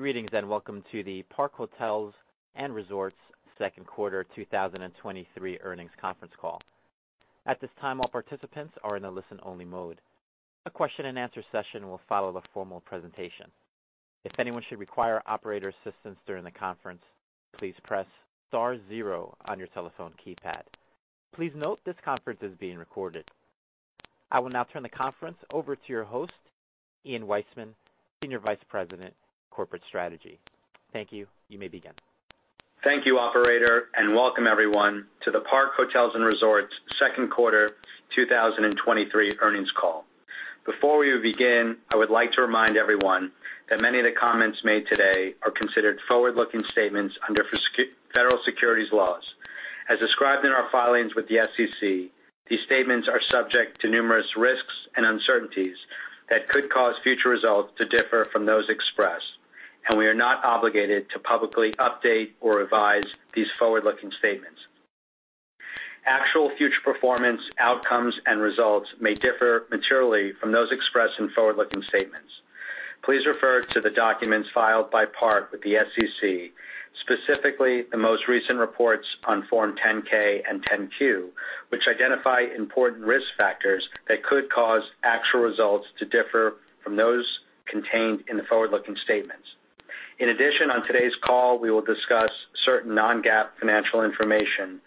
Greetings, and welcome to the Park Hotels & Resorts Second Quarter 2023 Earnings Conference Call. At this time, all participants are in a listen-only mode. A question-and-answer session will follow the formal presentation. If anyone should require operator assistance during the conference, please press star zero on your telephone keypad. Please note this conference is being recorded. I will now turn the conference over to your host, Ian Weissman, Senior Vice President, Corporate Strategy. Thank you. You may begin. Thank you, operator, welcome everyone to the Park Hotels & Resorts Second Quarter 2023 Earnings Call. Before we begin, I would like to remind everyone that many of the comments made today are considered forward-looking statements under federal securities laws. As described in our filings with the SEC, these statements are subject to numerous risks and uncertainties that could cause future results to differ from those expressed, and we are not obligated to publicly update or revise these forward-looking statements. Actual future performance, outcomes, and results may differ materially from those expressed in forward-looking statements. Please refer to the documents filed by Park with the SEC, specifically the most recent reports on Form 10-K and Form 10-Q, which identify important risk factors that could cause actual results to differ from those contained in the forward-looking statements. In addition, on today's call, we will discuss certain non-GAAP financial information,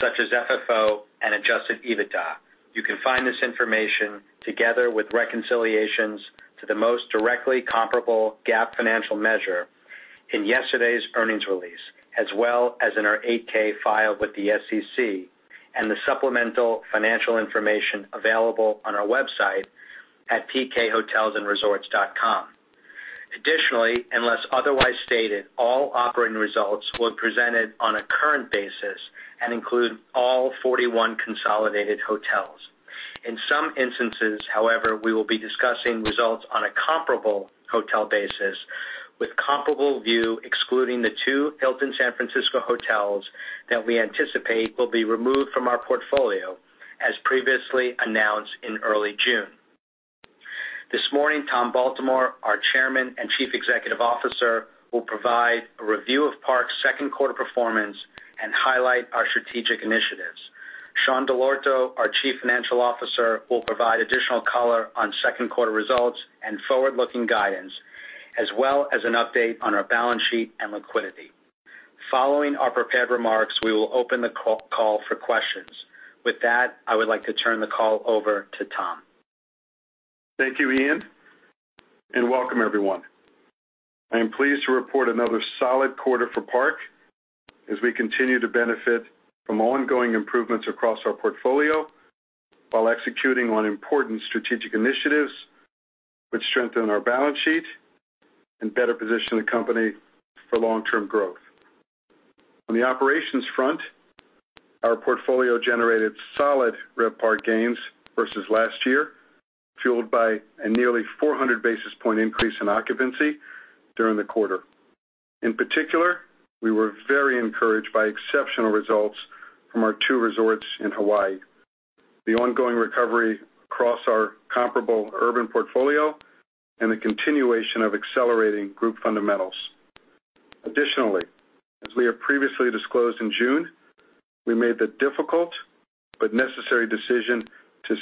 such as FFO and Adjusted EBITDA. You can find this information, together with reconciliations to the most directly comparable GAAP financial measure in yesterday's earnings release, as well as in our 8-K filed with the SEC and the supplemental financial information available on our website at pkhotelsandresorts.com. Additionally, unless otherwise stated, all operating results were presented on a current basis and include all 41 consolidated hotels. In some instances, however, we will be discussing results on a comparable hotel basis, with comparable view excluding the two Hilton San Francisco hotels that we anticipate will be removed from our portfolio, as previously announced in early June. This morning, Tom Baltimore, our Chairman and Chief Executive Officer, will provide a review of Park's second quarter performance and highlight our strategic initiatives. Sean Dell'Orto, our Chief Financial Officer, will provide additional color on second quarter results and forward-looking guidance, as well as an update on our balance sheet and liquidity. Following our prepared remarks, we will open the call for questions. With that, I would like to turn the call over to Tom. Thank you, Ian. Welcome everyone. I am pleased to report another solid quarter for Park as we continue to benefit from ongoing improvements across our portfolio while executing on important strategic initiatives, which strengthen our balance sheet and better position the company for long-term growth. On the operations front, our portfolio generated solid RevPAR gains versus last year, fueled by a nearly 400 basis-point increase in occupancy during the quarter. In particular, we were very encouraged by exceptional results from our two resorts in Hawaii, the ongoing recovery across our comparable urban portfolio, and the continuation of accelerating group fundamentals. As we have previously disclosed in June, we made the difficult but necessary decision to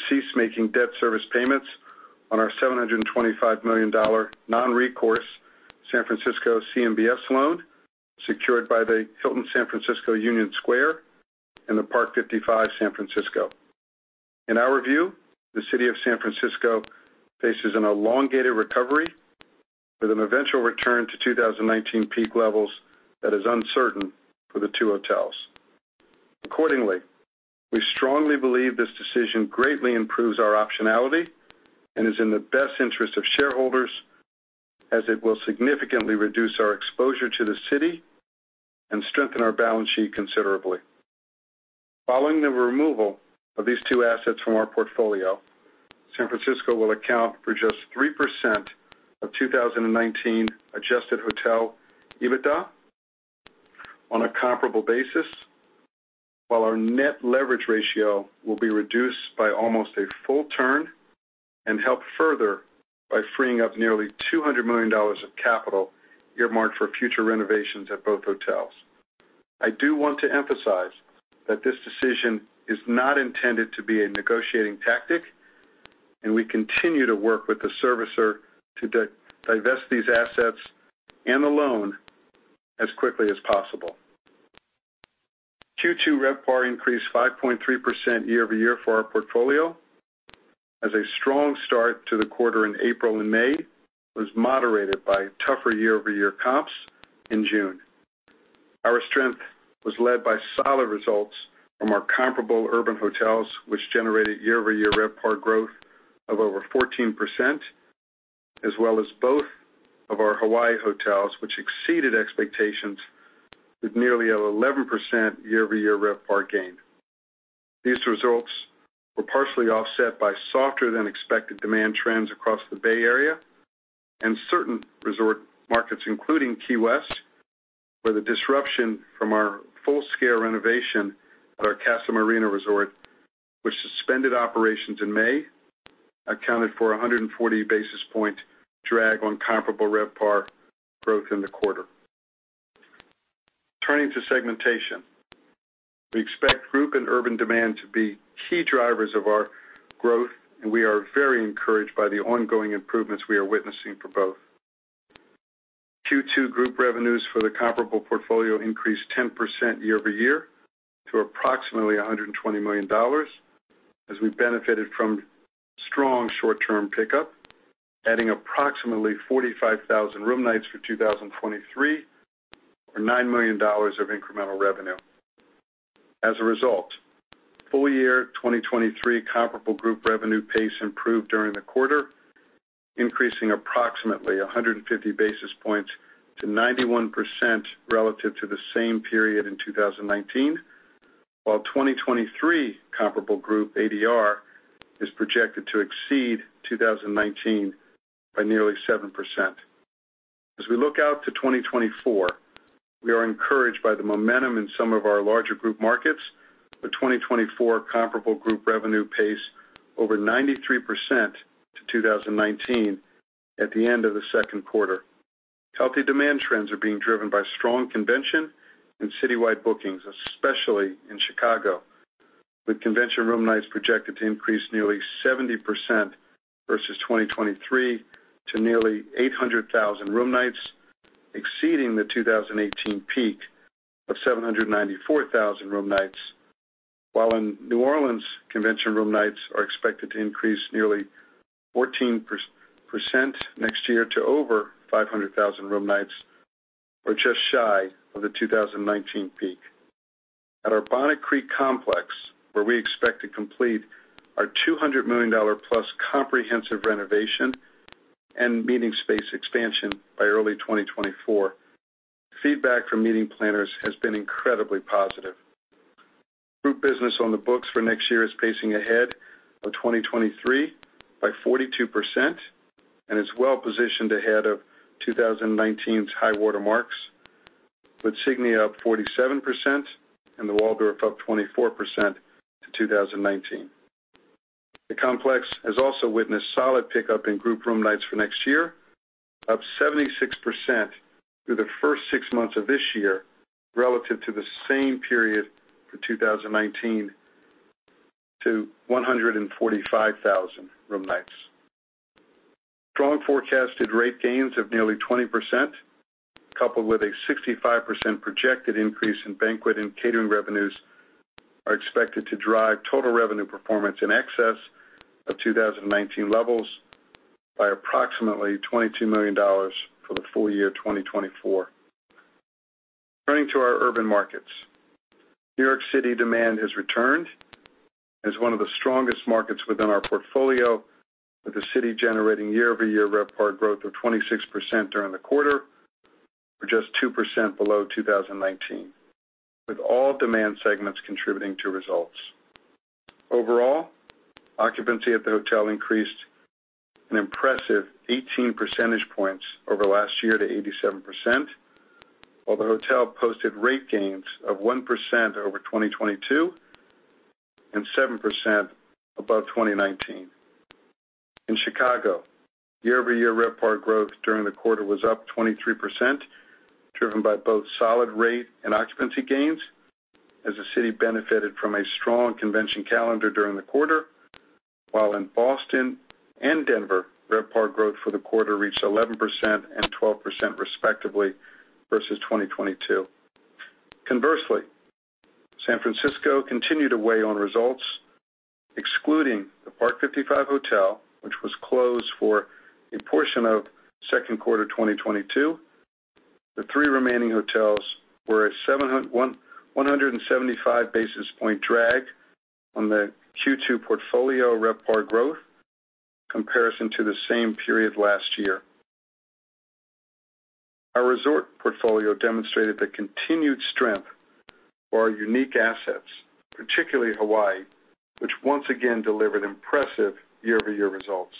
cease making debt service payments on our $725 million non-recourse San Francisco CMBS loan, secured by the Hilton San Francisco Union Square and the Parc 55, San Francisco. In our review, the city of San Francisco faces an elongated recovery with an eventual return to 2019 peak levels that is uncertain for the 2 hotels. We strongly believe this decision greatly improves our optionality and is in the best interest of shareholders, as it will significantly reduce our exposure to the city and strengthen our balance sheet considerably. Following the removal of these two assets from our portfolio, San Francisco will account for just 3% of 2019 Adjusted hotel EBITDA on a comparable basis, while our net leverage ratio will be reduced by almost a full turn and help further by freeing up nearly $200 million of capital earmarked for future renovations at both hotels. I do want to emphasize that this decision is not intended to be a negotiating tactic, and we continue to work with the servicer to divest these assets and the loan as quickly as possible. Q2 RevPAR increased 5.3% year-over-year for our portfolio as a strong start to the quarter in April and May was moderated by tougher year-over-year comps in June. Our strength was led by solid results from our comparable urban hotels, which generated year-over-year RevPAR growth of over 14%, as well as both of our Hawaii hotels, which exceeded expectations with nearly an 11% year-over-year RevPAR gain. These results were partially offset by softer-than-expected demand trends across the Bay Area and certain resort markets, including Key West, where the disruption from our full-scale renovation at our Casa Marina Resort, which suspended operations in May, accounted for a 140 basis point drag on comparable RevPAR growth in the quarter. Turning to segmentation. We expect group and urban demand to be key drivers of our growth. We are very encouraged by the ongoing improvements we are witnessing for both. Q2 group revenues for the comparable portfolio increased 10% year-over-year to approximately $120 million, as we benefited from strong short-term pickup, adding approximately 45,000 room nights for 2023, or $9 million of incremental revenue. As a result, full year 2023 comparable group revenue pace improved during the quarter, increasing approximately 150 basis points to 91% relative to the same period in 2019, while 2023 comparable group ADR is projected to exceed 2019 by nearly 7%. As we look out to 2024, we are encouraged by the momentum in some of our larger group markets, with 2024 comparable group revenue pace over 93% to 2019 at the end of the second quarter. Healthy demand trends are being driven by strong convention and citywide bookings, especially in Chicago, with convention room nights projected to increase nearly 70% versus 2023 to nearly 800,000 room nights, exceeding the 2018 peak of 794,000 room nights. While in New Orleans, convention room nights are expected to increase nearly 14% next year to over 500,000 room nights, or just shy of the 2019 peak. At our Bonnet Creek complex, where we expect to complete our $200 million plus comprehensive renovation and meeting space expansion by early 2024, feedback from meeting planners has been incredibly positive. Group business on the books for next year is pacing ahead of 2023 by 42% and is well positioned ahead of 2019's high water marks, with Signia up 47% and the Waldorf up 24% to 2019. The complex has also witnessed solid pickup in group room nights for next year, up 76% through the first six months of this year relative to the same period for 2019 to 145,000 room nights. Strong forecasted rate gains of nearly 20%, coupled with a 65% projected increase in banquet and catering revenues, are expected to drive total revenue performance in excess of 2019 levels by approximately $22 million for the full year 2024. Turning to our urban markets. New York City demand has returned as one of the strongest markets within our portfolio, with the city generating year-over-year RevPAR growth of 26% during the quarter, or just 2% below 2019, with all demand segments contributing to results. Overall, occupancy at the hotel increased an impressive 18 percentage points over last year to 87%, while the hotel posted rate gains of 1% over 2022 and 7% above 2019. In Chicago, year-over-year RevPAR growth during the quarter was up 23%, driven by both solid rate and occupancy gains as the city benefited from a strong convention calendar during the quarter, while in Boston and Denver, RevPAR growth for the quarter reached 11% and 12%, respectively, versus 2022. Conversely, San Francisco continued to weigh on results, excluding the Parc 55 Hotel, which was closed for a portion of second quarter 2022. The 3 remaining hotels were at 175 basis point drag on the Q2 portfolio RevPAR growth comparison to the same period last year. Our resort portfolio demonstrated the continued strength for our unique assets, particularly Hawaii, which once again delivered impressive year-over-year results.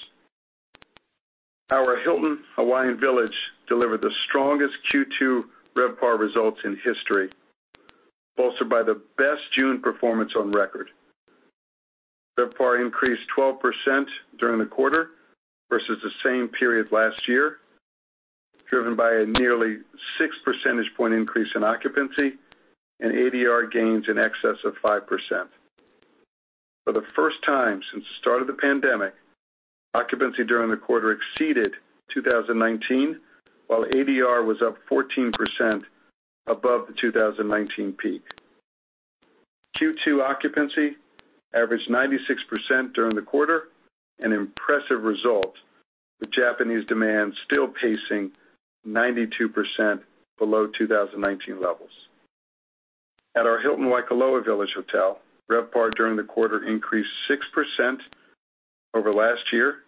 Our Hilton Hawaiian Village delivered the strongest Q2 RevPAR results in history, bolstered by the best June performance on record. RevPAR increased 12% during the quarter versus the same period last year, driven by a nearly 6 percentage point increase in occupancy and ADR gains in excess of 5%. For the first time since the start of the pandemic, occupancy during the quarter exceeded 2019, while ADR was up 14% above the 2019 peak. Q2 occupancy averaged 96% during the quarter, an impressive result, with Japanese demand still pacing 92% below 2019 levels. At our Hilton Waikoloa Village hotel, RevPAR during the quarter increased 6% over last year,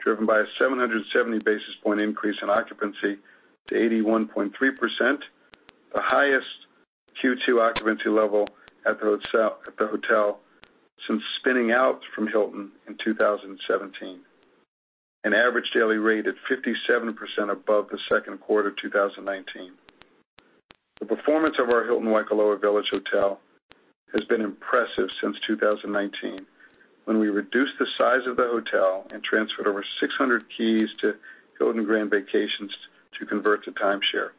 driven by a 770 basis point increase in occupancy to 81.3%, the highest. Q2 occupancy level at the hotel, at the hotel since spinning out from Hilton in 2017, and average daily rate at 57% above the second quarter of 2019. The performance of our Hilton Waikoloa Village Hotel has been impressive since 2019, when we reduced the size of the hotel and transferred over 600 keys to Hilton Grand Vacations to convert to timeshare.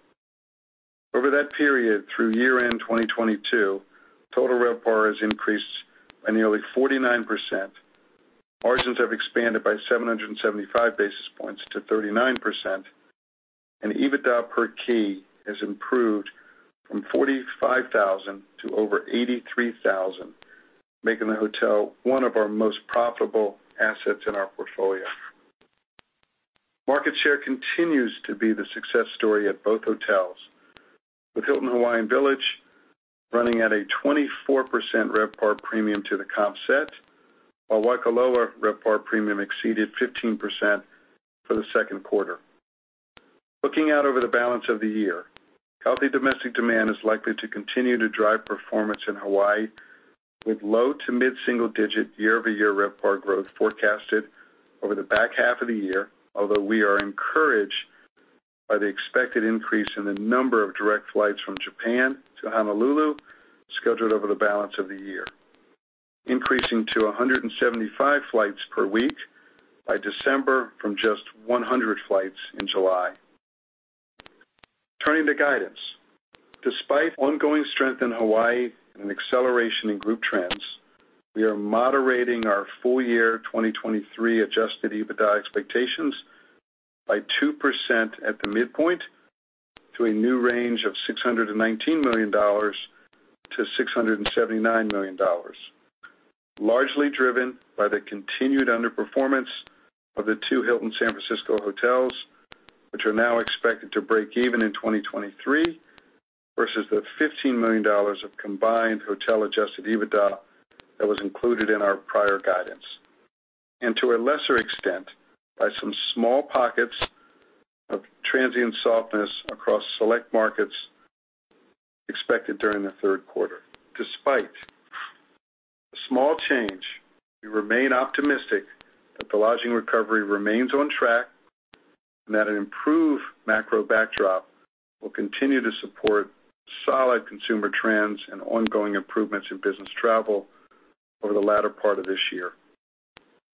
Over that period, through year-end 2022, total RevPAR has increased by nearly 49%. Margins have expanded by 775 basis points to 39%, and EBITDA per key has improved from $45,000 to over $83,000, making the hotel one of our most profitable assets in our portfolio. Market share continues to be the success story at both hotels, with Hilton Hawaiian Village running at a 24% RevPAR premium to the comp set, while Waikoloa RevPAR premium exceeded 15% for the second quarter. Looking out over the balance of the year, healthy domestic demand is likely to continue to drive performance in Hawaii with low to mid-single-digit year-over-year RevPAR growth forecasted over the back half of the year. Although we are encouraged by the expected increase in the number of direct flights from Japan to Honolulu, scheduled over the balance of the year, increasing to 175 flights per week by December from just 100 flights in July. Turning to guidance. Despite ongoing strength in Hawaii and acceleration in group trends, we are moderating our full year 2023 Adjusted EBITDA expectations by 2% at the midpoint to a new range of $619 million-$679 million, largely driven by the continued underperformance of the two Hilton San Francisco hotels, which are now expected to break even in 2023, versus the $15 million of combined hotel Adjusted EBITDA that was included in our prior guidance, and to a lesser extent, by some small pockets of transient softness across select markets expected during the third quarter. Despite the small change, we remain optimistic that the lodging recovery remains on track and that an improved macro backdrop will continue to support solid consumer trends and ongoing improvements in business travel over the latter part of this year.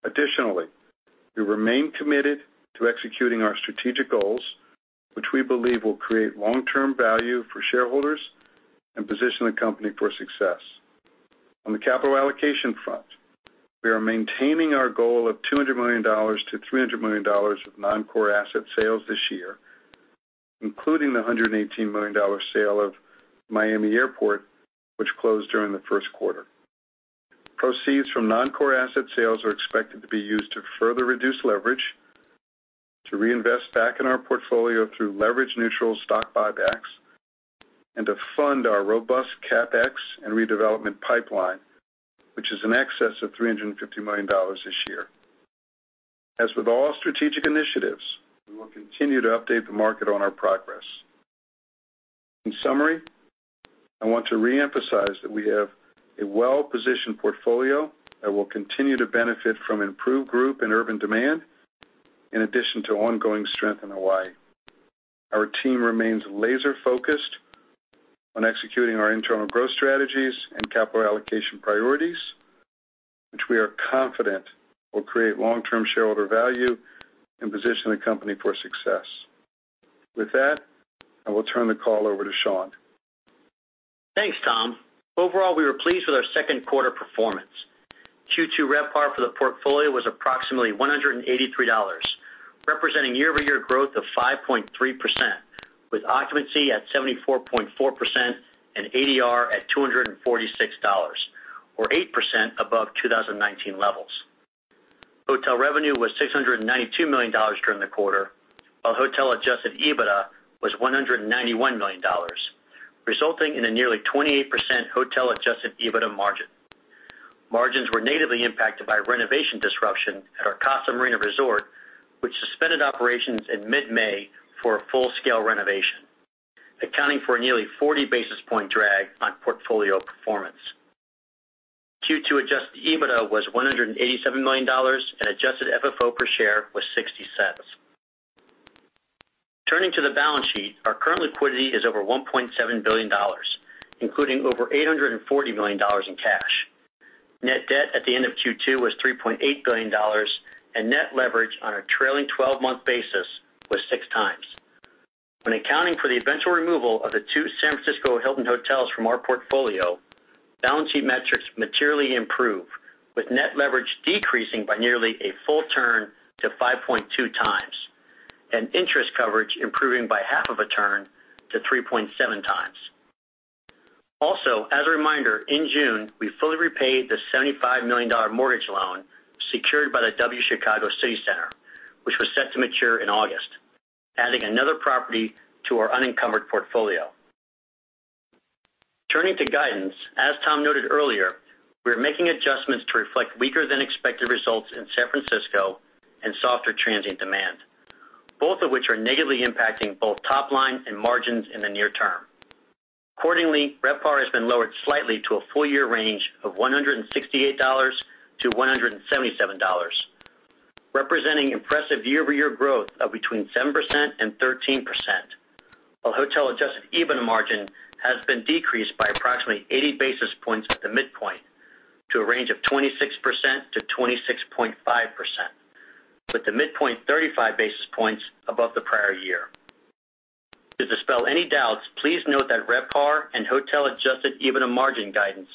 Additionally, we remain committed to executing our strategic goals, which we believe will create long-term value for shareholders and position the company for success. On the capital allocation front, we are maintaining our goal of $200 million to $300 million of non-core asset sales this year, including the $118 million sale of Miami Airport, which closed during the first quarter. Proceeds from non-core asset sales are expected to be used to further reduce leverage, to reinvest back in our portfolio through leverage neutral stock buybacks, and to fund our robust CapEx and redevelopment pipeline, which is in excess of $350 million this year. As with all strategic initiatives, we will continue to update the market on our progress. In summary, I want to reemphasize that we have a well-positioned portfolio that will continue to benefit from improved group and urban demand, in addition to ongoing strength in Hawaii. Our team remains laser focused on executing our internal growth strategies and capital allocation priorities, which we are confident will create long-term shareholder value and position the company for success. With that, I will turn the call over to Sean. Thanks, Tom. Overall, we were pleased with our second quarter performance. Q2 RevPAR for the portfolio was approximately $183, representing year-over-year growth of 5.3%, with occupancy at 74.4% and ADR at $246, or 8% above 2019 levels. Hotel revenue was $692 million during the quarter, while hotel Adjusted EBITDA was $191 million, resulting in a nearly 28% hotel Adjusted EBITDA margin. Margins were natively impacted by renovation disruption at our Casa Marina Resort, which suspended operations in mid-May for a full-scale renovation, accounting for a nearly 40 basis point drag on portfolio performance. Q2 Adjusted EBITDA was $187 million, and Adjusted FFO per share was $0.60. Turning to the balance sheet, our current liquidity is over $1.7 billion, including over $840 million in cash. Net debt at the end of Q2 was $3.8 billion, and net leverage on a trailing twelve-month basis was 6 times. When accounting for the eventual removal of the two San Francisco Hilton hotels from our portfolio, balance sheet metrics materially improve, with net leverage decreasing by nearly a full turn to 5.2 times and interest coverage improving by 0.5 of a turn to 3.7 times. Also, as a reminder, in June, we fully repaid the $75 million mortgage loan secured by the W Chicago City Center, which was set to mature in August, adding another property to our unencumbered portfolio. Turning to guidance, as Tom noted earlier, we are making adjustments to reflect weaker than expected results in San Francisco and softer transient demand, both of which are negatively impacting both top line and margins in the near term. RevPAR has been lowered slightly to a full year range of $168-$177, representing impressive year-over-year growth of between 7% and 13%. Hotel Adjusted EBITDA margin has been decreased by approximately 80 basis points at the midpoint to a range of 26%-26.5%, with the midpoint 35 basis points above the prior year. To dispel any doubts, please note that RevPAR and hotel Adjusted EBITDA margin guidance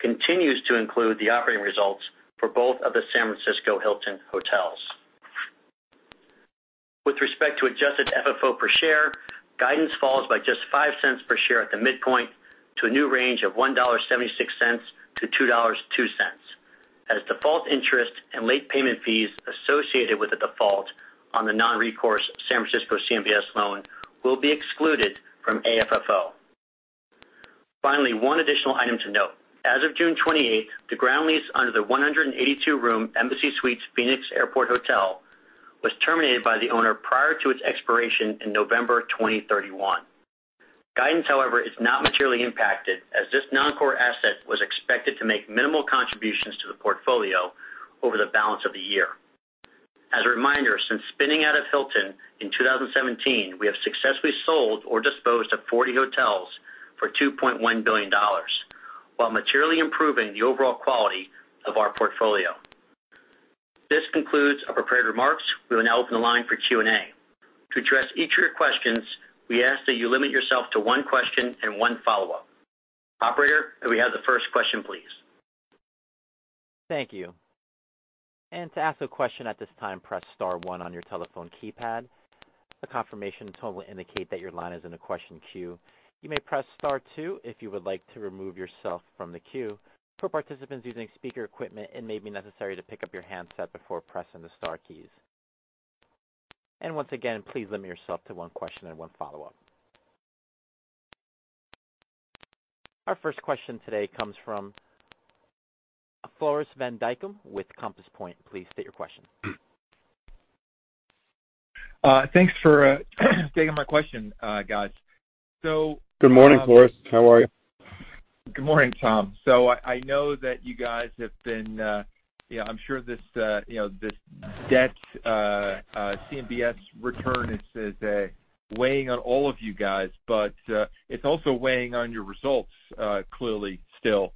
continues to include the operating results for both of the San Francisco Hilton hotels. With respect to Adjusted FFO per share, guidance falls by just $0.05 per share at the midpoint to a new range of $1.76-$2.02, as default interest and late payment fees associated with the default on the non-recourse San Francisco CMBS loan will be excluded from AFFO. Finally, one additional item to note. As of June 28, the ground lease under the 182-room Embassy Suites, Phoenix Airport Hotel, was terminated by the owner prior to its expiration in November 2031. Guidance, however, is not materially impacted, as this non-core asset was expected to make minimal contributions to the portfolio over the balance of the year. As a reminder, since spinning out of Hilton in 2017, we have successfully sold or disposed of 40 hotels for $2.1 billion, while materially improving the overall quality of our portfolio. This concludes our prepared remarks. We will now open the line for Q&A. To address each of your questions, we ask that you limit yourself to one question and one follow-up. Operator, can we have the first question, please? Thank you. To ask a question at this time, press star one on your telephone keypad. A confirmation tone will indicate that your line is in a question queue. You may press star two if you would like to remove yourself from the queue. For participants using speaker equipment, it may be necessary to pick up your handset before pressing the star keys. Once again, please limit yourself to one question and one follow-up. Our first question today comes from Floris van Dijkum with Compass Point. Please state your question. Thanks for taking my question, guys. Good morning, Floris. How are you? Good morning, Tom. I, I know that you guys have been. Yeah, I'm sure this, you know, this debt, CMBS return is, is weighing on all of you guys, but it's also weighing on your results, clearly still.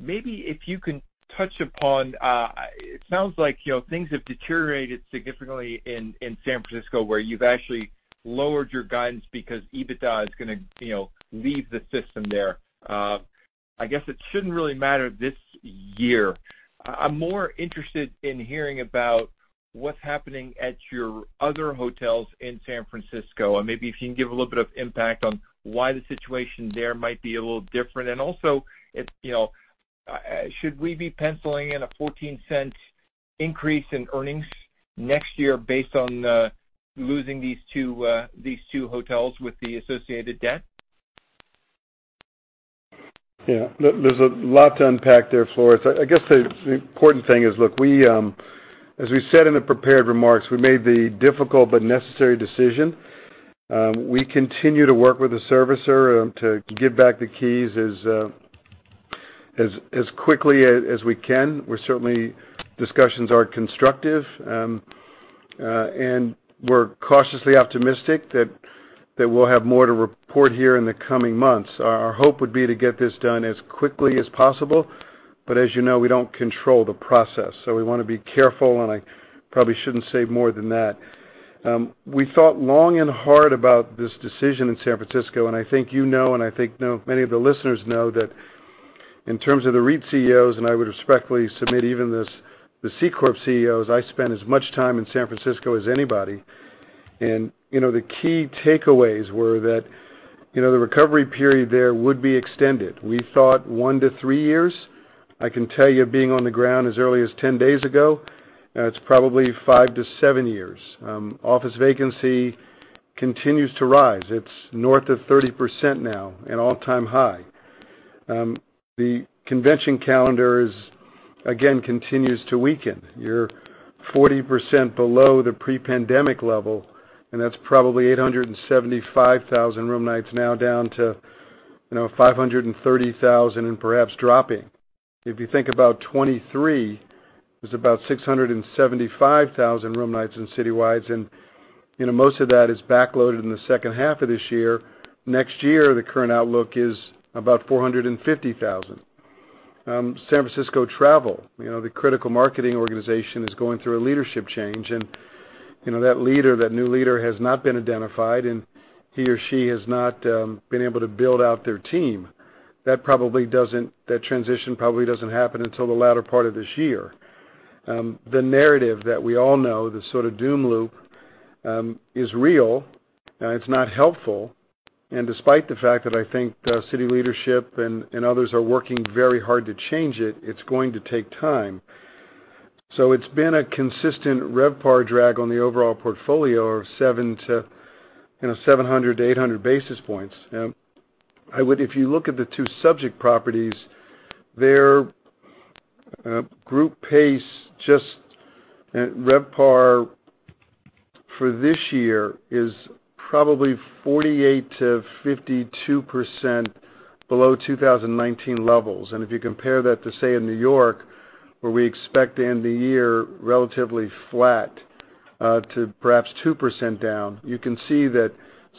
Maybe if you can touch upon, it sounds like, you know, things have deteriorated significantly in, in San Francisco, where you've actually lowered your guidance because EBITDA is gonna, you know, leave the system there. I guess, it shouldn't really matter this year. I'm more interested in hearing about what's happening at your other hotels in San Francisco, and maybe if you can give a little bit of impact on why the situation there might be a little different. Also, if, you know, should we be penciling in a $0.14 increase in earnings next year based on losing these two, these two hotels with the associated debt? Yeah, there's a lot to unpack there, Floris. I guess the, the important thing is, look, we, as we said in the prepared remarks, we made the difficult but necessary decision. We continue to work with the servicer, to give back the keys as quickly as we can. We're certainly. Discussions are constructive, and we're cautiously optimistic that we'll have more to report here in the coming months. Our hope would be to get this done as quickly as possible, but as you know, we don't control the process, so we wanna be careful, and I probably shouldn't say more than that. We thought long and hard about this decision in San Francisco. I think you know, and I think, you know, many of the listeners know that in terms of the REIT CEOs, and I would respectfully submit, even this, the C corp CEOs, I spend as much time in San Francisco as anybody. You know, the key takeaways were that, you know, the recovery period there would be extended. We thought 1-3 years. I can tell you being on the ground as early as 10 days ago, it's probably 5-7 years. Office vacancy continues to rise. It's north of 30% now, an all-time high. The convention calendar is, again, continues to weaken. You're 40% below the pre-pandemic level, and that's probably 875,000 room nights now down to, you know, 530,000 and perhaps dropping. If you think about 2023, there's about 675,000 room nights in citywides, and, you know, most of that is backloaded in the second half of this year. Next year, the current outlook is about 450,000. San Francisco Travel, you know, the critical marketing organization, is going through a leadership change, and, you know, that leader, that new leader, has not been identified, and he or she has not been able to build out their team. That transition probably doesn't happen until the latter part of this year. The narrative that we all know, the sort of doom loop, is real, it's not helpful, and despite the fact that I think the city leadership and, and others are working very hard to change it, it's going to take time. It's been a consistent RevPAR drag on the overall portfolio of, you know, 700-800 basis points. If you look at the two subject properties, their group pace, just RevPAR for this year is probably 48%-52% below 2019 levels. If you compare that to, say, in New York, where we expect to end the year relatively flat, to perhaps 2% down, you can see that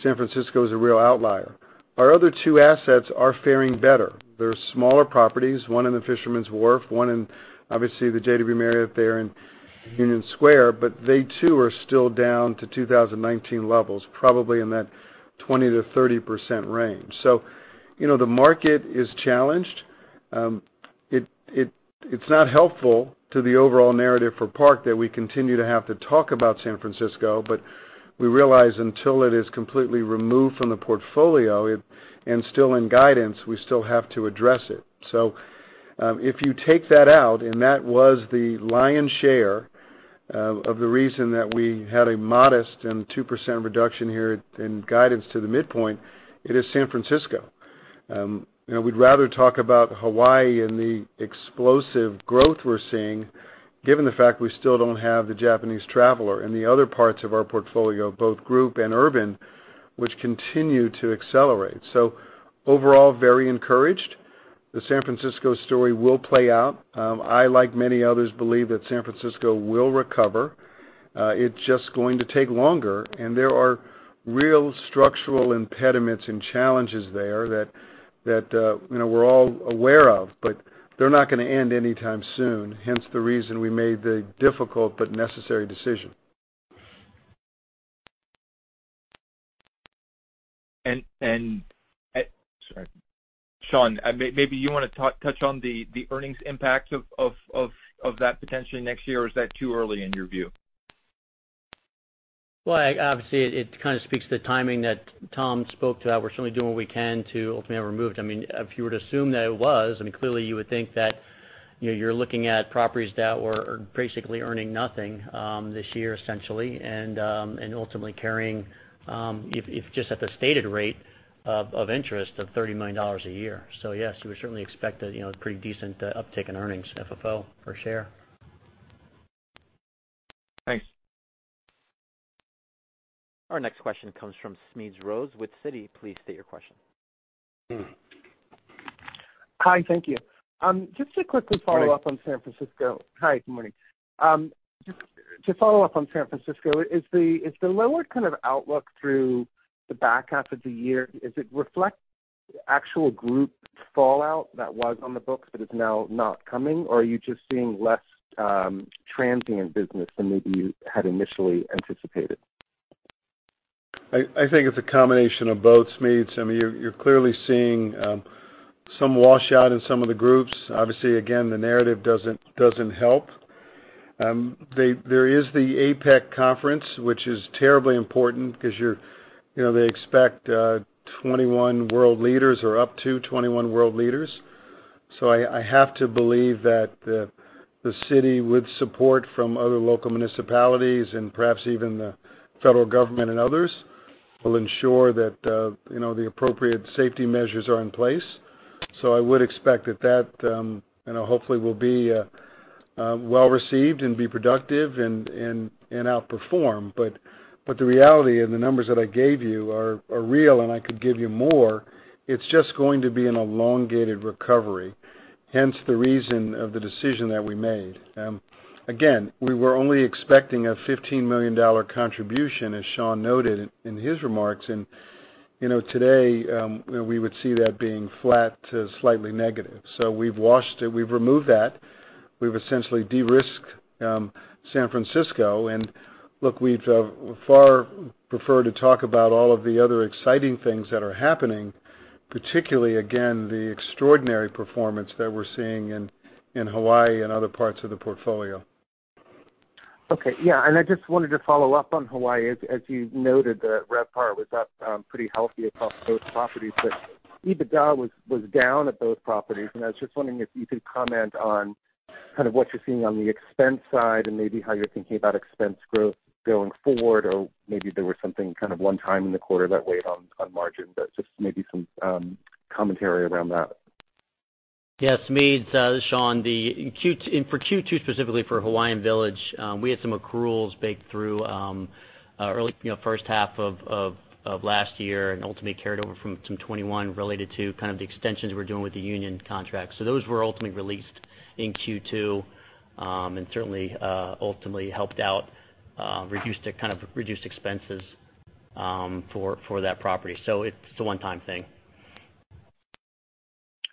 San Francisco is a real outlier. Our other two assets are faring better. They're smaller properties, one in the Fisherman's Wharf, one in, obviously, the JW Marriott there in Union Square, but they too, are still down to 2019 levels, probably in that 20%-30% range. It, it, it's not helpful to the overall narrative for Park that we continue to have to talk about San Francisco, but we realize until it is completely removed from the portfolio, it- and still in guidance, we still have to address it. If you take that out, and that was the lion's share of, of the reason that we had a modest and 2% reduction here in guidance to the midpoint, it is San Francisco. You know, we'd rather talk about Hawaii and the explosive growth we're seeing, given the fact we still don't have the Japanese traveler in the other parts of our portfolio, both group and urban, which continue to accelerate. Overall, very encouraged. The San Francisco story will play out. I, like many others, believe that San Francisco will recover. It's just going to take longer, and there are real structural impediments and challenges there that, that, you know, we're all aware of, but they're not gonna end anytime soon. Hence, the reason we made the difficult but necessary decision. Sorry, Sean, maybe you wanna touch on the earnings impact of that potentially next year, or is that too early in your view? Well, I, obviously, it, it kind of speaks to the timing that Tom Baltimore spoke to, that we're certainly doing what we can to ultimately have it removed. I mean, if you were to assume that it was, I mean, clearly, you would think that, you know, you're looking at properties that were basically earning nothing, this year, essentially, and ultimately carrying, if, if just at the stated rate of, of interest, of $30 million a year. Yes, we would certainly expect a, you know, pretty decent, uptick in earnings, FFO per share. Thanks. Our next question comes from Smedes Rose with Citi. Please state your question. Hi, thank you. just to quickly follow up Hi. on San Francisco. Hi, good morning. Just to follow up on San Francisco, is the, is the lower kind of outlook through the back half of the year, is it reflect actual group fallout that was on the books, but is now not coming, or are you just seeing less transient business than maybe you had initially anticipated? I think it's a combination of both, Smedes. I mean, you're clearly seeing, some wash out in some of the groups. Obviously, again, the narrative doesn't, doesn't help. There is the APEC conference, which is terribly important because you know, they expect 21 world leaders or up to 21 world leaders. I have to believe that the city, with support from other local municipalities and perhaps even the federal government and others, will ensure that, you know, the appropriate safety measures are in place. I would expect that that, you know, hopefully will be well-received and be productive and outperform. The reality and the numbers that I gave you are real, and I could give you more. It's just going to be an elongated recovery, hence the reason of the decision that we made. Again, we were only expecting a $15 million contribution, as Sean noted in his remarks, you know, today, we would see that being flat to slightly negative. We've washed it. We've removed that. We've essentially de-risked San Francisco, look, we'd far prefer to talk about all of the other exciting things that are happening, particularly, again, the extraordinary performance that we're seeing in Hawaii and other parts of the portfolio. Okay, yeah, and I just wanted to follow up on Hawaii. As, as you noted, the RevPAR was up, pretty healthy across those properties, but EBITDA was, was down at those properties, and I was just wondering if you could comment on kind of what you're seeing on the expense side and maybe how you're thinking about expense growth going forward, or maybe there was something kind of one-time in the quarter that weighed on, on margin, but just maybe some commentary around that. Yes, Smedes, Sean, in for Q2, specifically for Hawaiian Village, we had some accruals baked through early, you know, first half of, of, of last year and ultimately carried over from, from 2021, related to kind of the extensions we're doing with the union contract. Those were ultimately released in Q2, and certainly, ultimately helped out, reduced to, kind of reduced expenses, for, for that property. It's a one-time thing.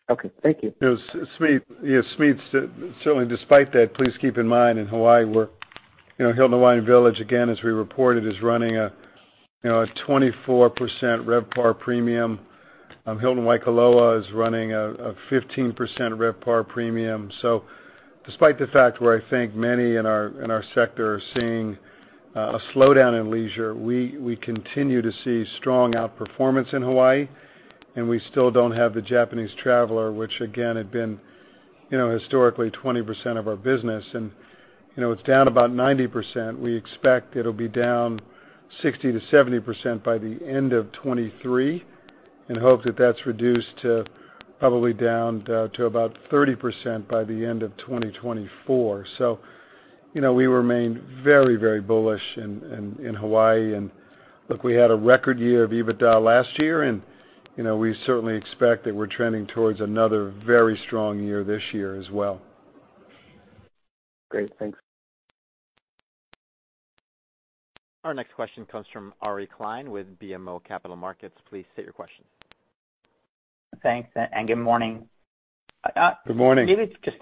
Okay, thank you. Yeah, Smedes. Yeah, Smedes, certainly, despite that, please keep in mind, in Hawaii, we're. You know, Hilton Hawaiian Village, again, as we reported, is running a, you know, a 24% RevPAR premium. Hilton Waikoloa is running a, a 15% RevPAR premium. Despite the fact where I think many in our, in our sector are seeing a slowdown in leisure, we, we continue to see strong outperformance in Hawaii, and we still don't have the Japanese traveler, which again, had been, you know, historically 20% of our business, and, you know, it's down about 90%. We expect it'll be down 60%-70% by the end of 2023. Hope that that's reduced to probably down to about 30% by the end of 2024. You know, we remain very, very bullish in, in, in Hawaii. Look, we had a record year of EBITDA last year, and, you know, we certainly expect that we're trending towards another very strong year this year as well. Great. Thanks. Our next question comes from Ari Klein with BMO Capital Markets. Please state your question. Thanks, and good morning. Good morning. Maybe just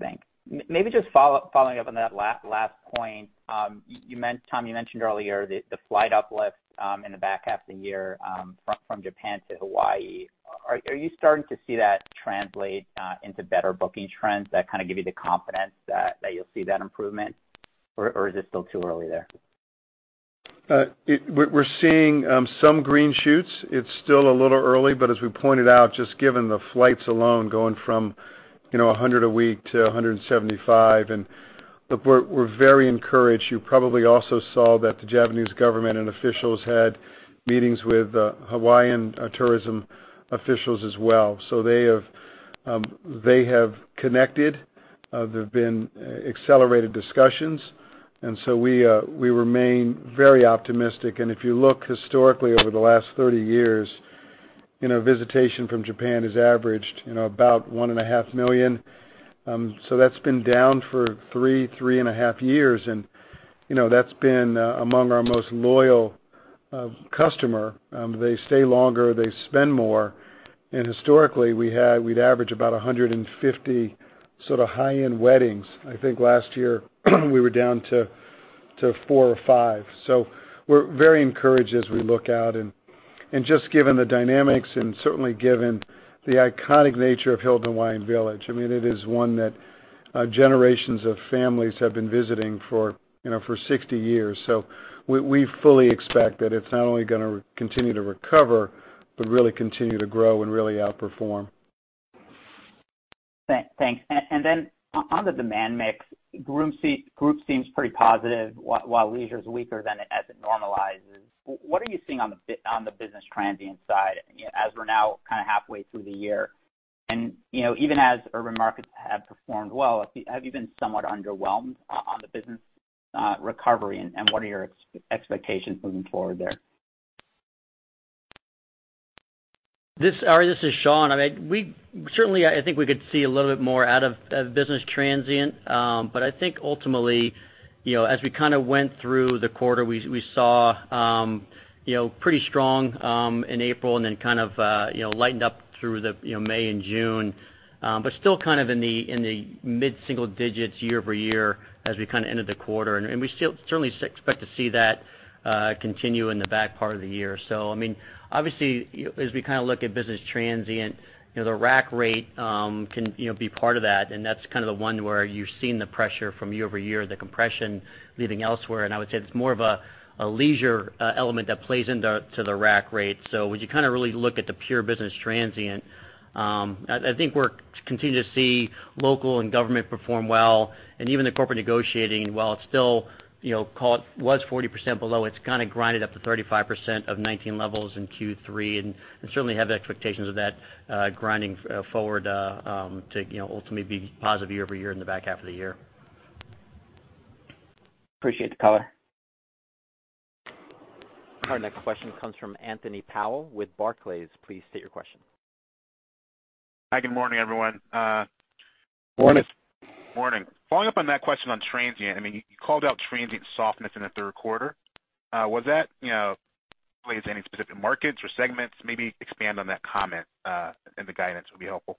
thanks. Maybe just following up on that last point. Tom, you mentioned earlier the, the flight uplift in the back half of the year from, from Japan to Hawaii. Are you starting to see that translate into better booking trends that kind of give you the confidence that, that you'll see that improvement, or, or is it still too early there? We're, we're seeing some green shoots. It's still a little early, but as we pointed out, just given the flights alone, going from, you know, 100 a week to 175, and look, we're, we're very encouraged. You probably also saw that the Japanese government and officials had meetings with Hawaii tourism officials as well. They have, they have connected. There have been accelerated discussions. We remain very optimistic. If you look historically over the last 30 years, you know, visitation from Japan has averaged, you know, about 1.5 million. That's been down for 3, 3.5 years, and, you know, that's been among our most loyal customer. They stay longer, they spend more. Historically, we'd average about 150 sort of high-end weddings. I think last year, we were down to 4 or 5. We're very encouraged as we look out and just given the dynamics and certainly given the iconic nature of Hilton Hawaiian Village, I mean, it is one that generations of families have been visiting for, you know, for 60 years. We, we fully expect that it's not only gonna continue to recover, but really continue to grow and really outperform. Thanks. Then on the demand mix, group seems pretty positive, while leisure is weaker than it as it normalizes. What are you seeing on the business transient side, as we're now kind of halfway through the year? You know, even as urban markets have performed well, have you, have you been somewhat underwhelmed on the business recovery, and what are your expectations moving forward there? This- Ari, this is Sean. I mean, we certainly, I think we could see a little bit more out of, of business transient. I think ultimately, you know, as we kind of went through the quarter, we, we saw, you know, pretty strong in April, and then kind of, you know, lightened up through the, you know, May and June. Still kind of in the, in the mid-single digits year-over-year, as we kind of ended the quarter. We still certainly expect to see that continue in the back part of the year. I mean, obviously, as we kind of look at business transient, you know, the rack rate can, you know, be part of that, and that's kind of the one where you've seen the pressure from year-over-year, the compression leaving elsewhere. I would say it's more of a, a leisure element that plays into the, to the rack rate. When you kind of really look at the pure business transient, I think we're continue to see local and government perform well, and even the corporate negotiating, while it's still, you know, call it, was 40% below, it's kind of grinded up to 35% of 2019 levels in Q3, and certainly have expectations of that grinding forward to, you know, ultimately be positive year-over-year in the back half of the year. Appreciate the color. Our next question comes from Anthony Powell with Barclays. Please state your question. Hi, good morning, everyone. Morning. Morning. Following up on that question on transient, I mean, you called out transient softness in the third quarter. Was that, you know, plays any specific markets or segments? Maybe expand on that comment, and the guidance would be helpful.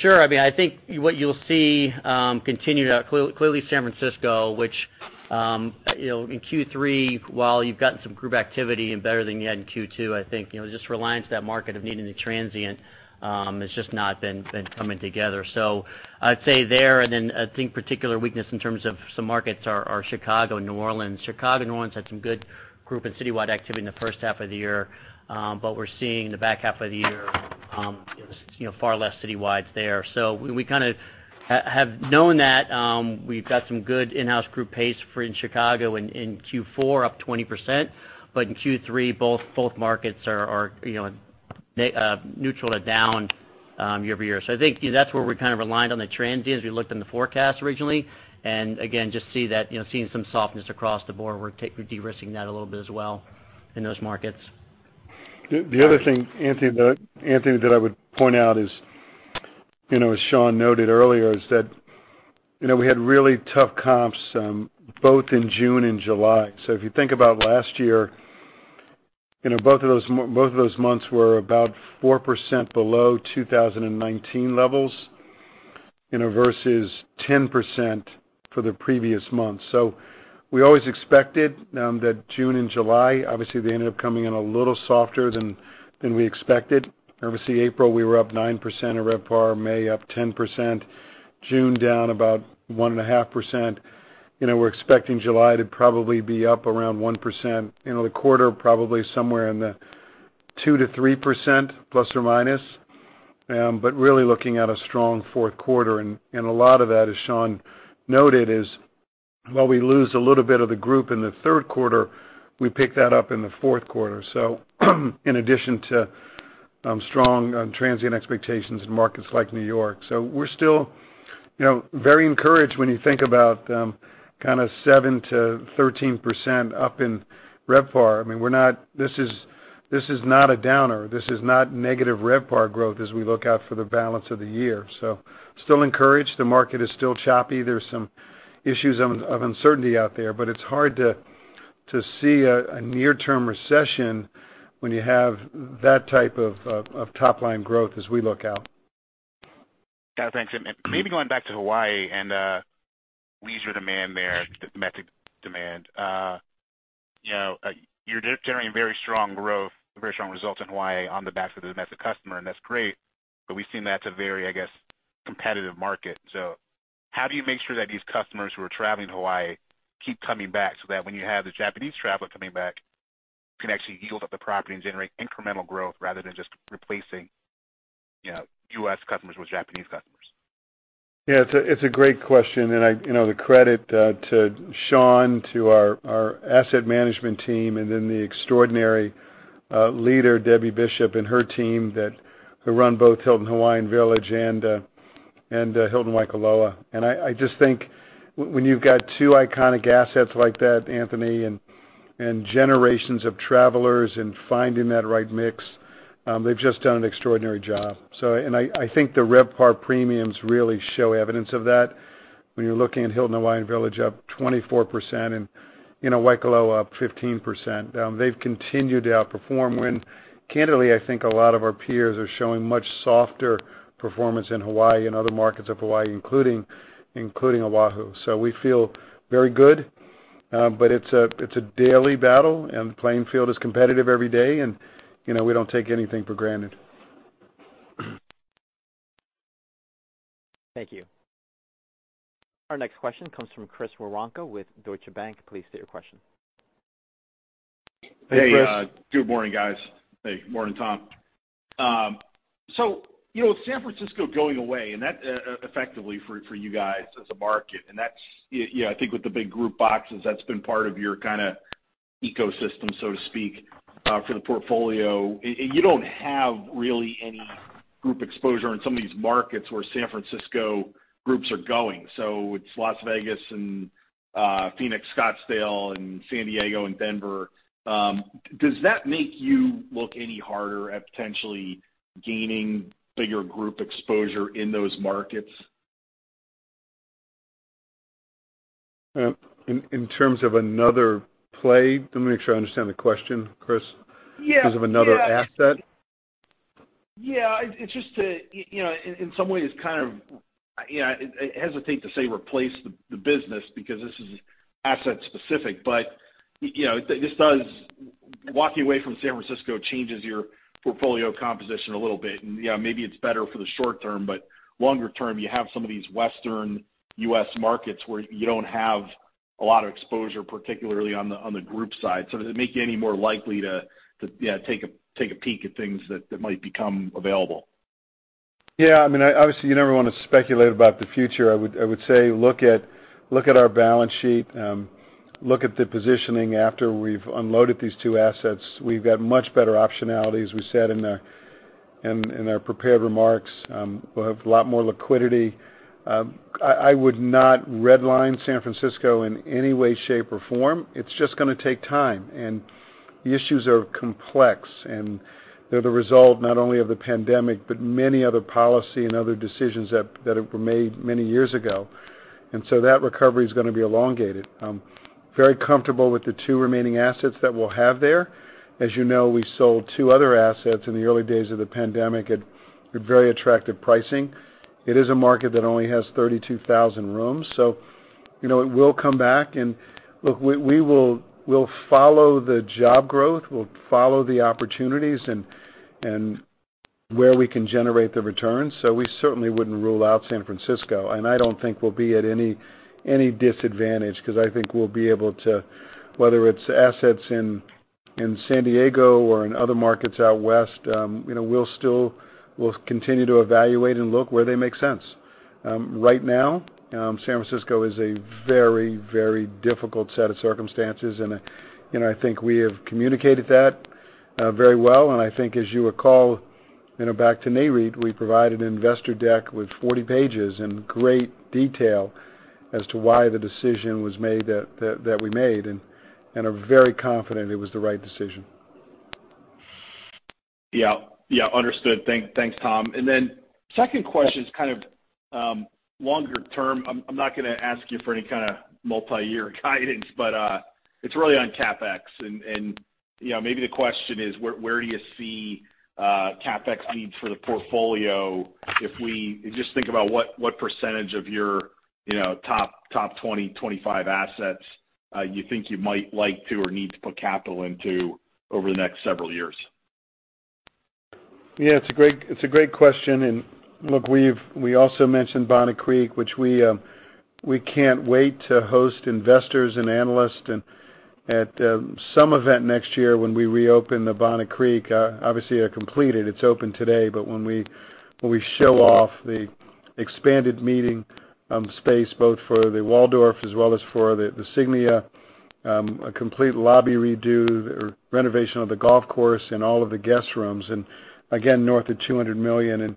Sure. I mean, I think what you'll see, continue to. Clearly, San Francisco, which, you know, in Q3, while you've gotten some group activity and better than you had in Q2, I think, you know, just reliance to that market of needing the transient, has just not been, been coming together. I'd say there. Then I think particular weakness in terms of some markets are Chicago and New Orleans. Chicago and New Orleans had some good group and citywide activity in the first half of the year, but we're seeing in the back half of the year, you know, far less citywides there. We, we kind of have known that. We've got some good in-house group pace for in Chicago, in Q4, up 20%. In Q3, both markets are, you know, neutral to down, year-over-year. I think that's where we're kind of reliant on the transient as we looked in the forecast originally, and again, just see that, you know, seeing some softness across the board, we're de-risking that a little bit as well in those markets. The, the other thing, Anthony, Anthony, that I would point out is, you know, as Sean noted earlier, is that, you know, we had really tough comps, both in June and July. If you think about last year, you know, both of those, both of those months were about 4% below 2019 levels, you know, versus 10% for the previous months. We always expected that June and July, obviously, they ended up coming in a little softer than, than we expected. Obviously, April, we were up 9% at RevPAR, May up 10%, June down about 1.5%. You know, we're expecting July to probably be up around 1%. You know, the quarter, probably somewhere in the. 2-3%, plus or minus. Really looking at a strong fourth quarter, and, and a lot of that, as Sean noted, is while we lose a little bit of the group in the third quarter, we pick that up in the fourth quarter. In addition to strong transient expectations in markets like New York. We're still, you know, very encouraged when you think about, kinda 7%-13% up in RevPAR. I mean, this is, this is not a downer. This is not negative RevPAR growth as we look out for the balance of the year. Still encouraged. The market is still choppy. There's some issues of uncertainty out there, but it's hard to see a near-term recession when you have that type of top-line growth as we look out. Yeah, thanks. Maybe going back to Hawaii and leisure demand there, domestic demand. You know, you're generating very strong growth, very strong results in Hawaii on the backs of the domestic customer, and that's great, but we've seen that's a very, I guess, competitive market. How do you make sure that these customers who are traveling to Hawaii keep coming back, so that when you have the Japanese traveler coming back, can actually yield up the property and generate incremental growth rather than just replacing, you know, U.S. customers with Japanese customers? Yeah, it's a, it's a great question. You know, the credit to Sean, to our asset management team, and then the extraordinary leader, Debbie Bishop, and her team that, who run both Hilton Hawaiian Village and Hilton Waikoloa. I just think when you've got two iconic assets like that, Anthony, and generations of travelers and finding that right mix, they've just done an extraordinary job. I think the RevPAR premiums really show evidence of that. When you're looking at Hilton Hawaiian Village up 24% and, you know, Waikoloa up 15%. They've continued to outperform when, candidly, I think a lot of our peers are showing much softer performance in Hawaii and other markets of Hawaii, including, including Oahu. We feel very good, but it's a, it's a daily battle, and the playing field is competitive every day, and, you know, we don't take anything for granted. Thank you. Our next question comes from Chris Woronka Deutsche Bank. Please state your question. Hey, Chris. Hey, good morning, guys. Hey, morning, Tom. You know, San Francisco going away, and that effectively for, for you guys as a market, and that's, yeah, I think with the big group boxes, that's been part of your kinda ecosystem, so to speak, for the portfolio. You don't have really any group exposure in some of these markets where San Francisco groups are going. It's Las Vegas and Phoenix, Scottsdale, and San Diego, and Denver. Does that make you look any harder at potentially gaining bigger group exposure in those markets? In terms of another play? Let me make sure I understand the question, Chris. Yeah. In terms of another asset? Yeah, it's just to, you know, in some ways, kind of, you know, I hesitate to say replace the, the business because this is asset specific, but, you know, walking away from San Francisco changes your portfolio composition a little bit. Yeah, maybe it's better for the short term, but longer term, you have some of these Western U.S. markets where you don't have a lot of exposure, particularly on the, on the group side. Does it make you any more likely to, yeah, take a, take a peek at things that, that might become available? Yeah, I mean, obviously, you never want to speculate about the future. I would, I would say, look at, look at our balance sheet, look at the positioning after we've unloaded these two assets. We've got much better optionality, as we said in the, in, in our prepared remarks. We'll have a lot more liquidity. I, I would not redline San Francisco in any way, shape, or form. It's just gonna take time, and the issues are complex, and they're the result not only of the pandemic, but many other policy and other decisions that, that have been made many years ago. That recovery is gonna be elongated. Very comfortable with the two remaining assets that we'll have there. As you know, we sold two other assets in the early days of the pandemic at very attractive pricing. It is a market that only has 32,000 rooms, so, you know, it will come back. Look, we'll follow the job growth, we'll follow the opportunities and, and where we can generate the returns. We certainly wouldn't rule out San Francisco, and I don't think we'll be at any, any disadvantage because I think we'll be able to, whether it's assets in, in San Diego or in other markets out West, you know, we'll still, we'll continue to evaluate and look where they make sense. Right now, San Francisco is a very, very difficult set of circumstances, and, and I think we have communicated that very well. I think, as you recall, you know, back to Nareit, we provided an investor deck with 40 pages and great detail as to why the decision was made, that, that we made, and, and are very confident it was the right decision. Yeah. Yeah, understood. Thank, thanks, Tom. Second question is kind of, longer term. I'm, I'm not gonna ask you for any kinda multi-year guidance, but, it's really on CapEx. You know, maybe the question is: where, where do you see, CapEx needs for the portfolio? If we just think about what, what percentage of your, you know, top, top 20-25 assets, you think you might like to or need to put capital into over the next several years? Yeah, it's a great, it's a great question, and look, we've we also mentioned Bonnet Creek, which we can't wait to host investors and analysts and at some event next year when we reopen the Bonnet Creek. Obviously, are completed, it's open today, but when we, when we show off the expanded meeting space, both for the Waldorf as well as for the Signia, a complete lobby redo or renovation of the golf course and all of the guest rooms, and again, north of $200 million,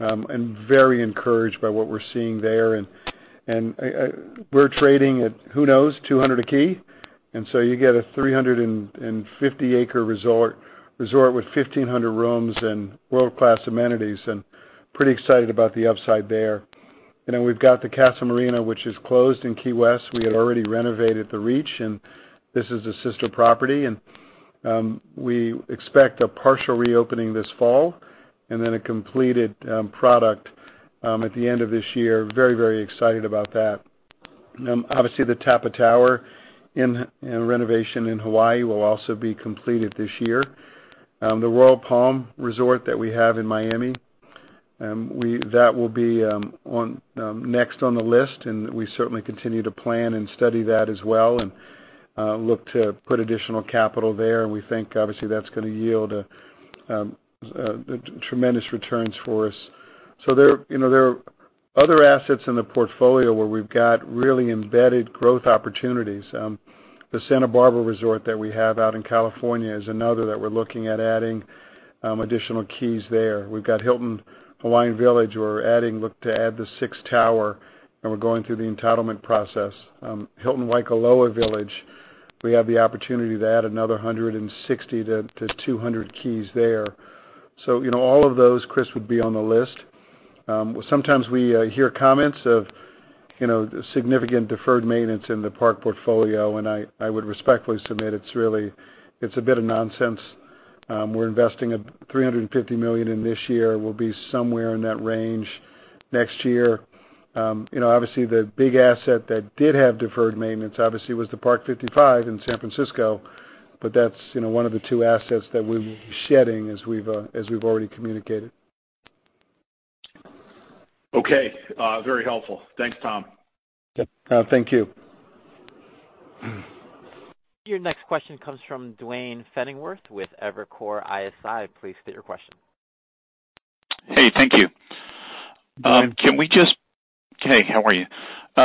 and very encouraged by what we're seeing there. We're trading at, who knows, $200 a key. So you get a 350 acre resort, resort with 1,500 rooms and world-class amenities, and pretty excited about the upside there. You know, we've got the Casa Marina, which is closed in Key West. We had already renovated the Reach, and this is a sister property, and we expect a partial reopening this fall, and then a completed product at the end of this year. Very, very excited about that. Obviously, the Tapa Tower in, in renovation in Hawaii will also be completed this year. The Royal Palm Resort that we have in Miami, that will be on next on the list, and we certainly continue to plan and study that as well, and look to put additional capital there. We think, obviously, that's gonna yield tremendous returns for us. There, you know, there are other assets in the portfolio where we've got really embedded growth opportunities. The Santa Barbara Resort that we have out in California is another that we're looking at adding additional keys there. We've got Hilton Hawaiian Village, where we look to add the sixth tower, and we're going through the entitlement process. Hilton Waikoloa Village, we have the opportunity to add another 160 to 200 keys there. You know, all of those, Chris, would be on the list. Sometimes we hear comments of, you know, significant deferred maintenance in the Park portfolio, and I, I would respectfully submit it's really, it's a bit of nonsense. We're investing at $350 million in this year. We'll be somewhere in that range next year. You know, obviously, the big asset that did have deferred maintenance, obviously, was the Parc 55 in San Francisco, but that's, you know, one of the two assets that we'll be shedding as we've, as we've already communicated. Okay, very helpful. Thanks, Tom. Yep. Thank you. Your next question comes from Duane Pfennigwerth with Evercore ISI. Please state your question. Hey, thank you. Duane Can we just. Hey, how are you?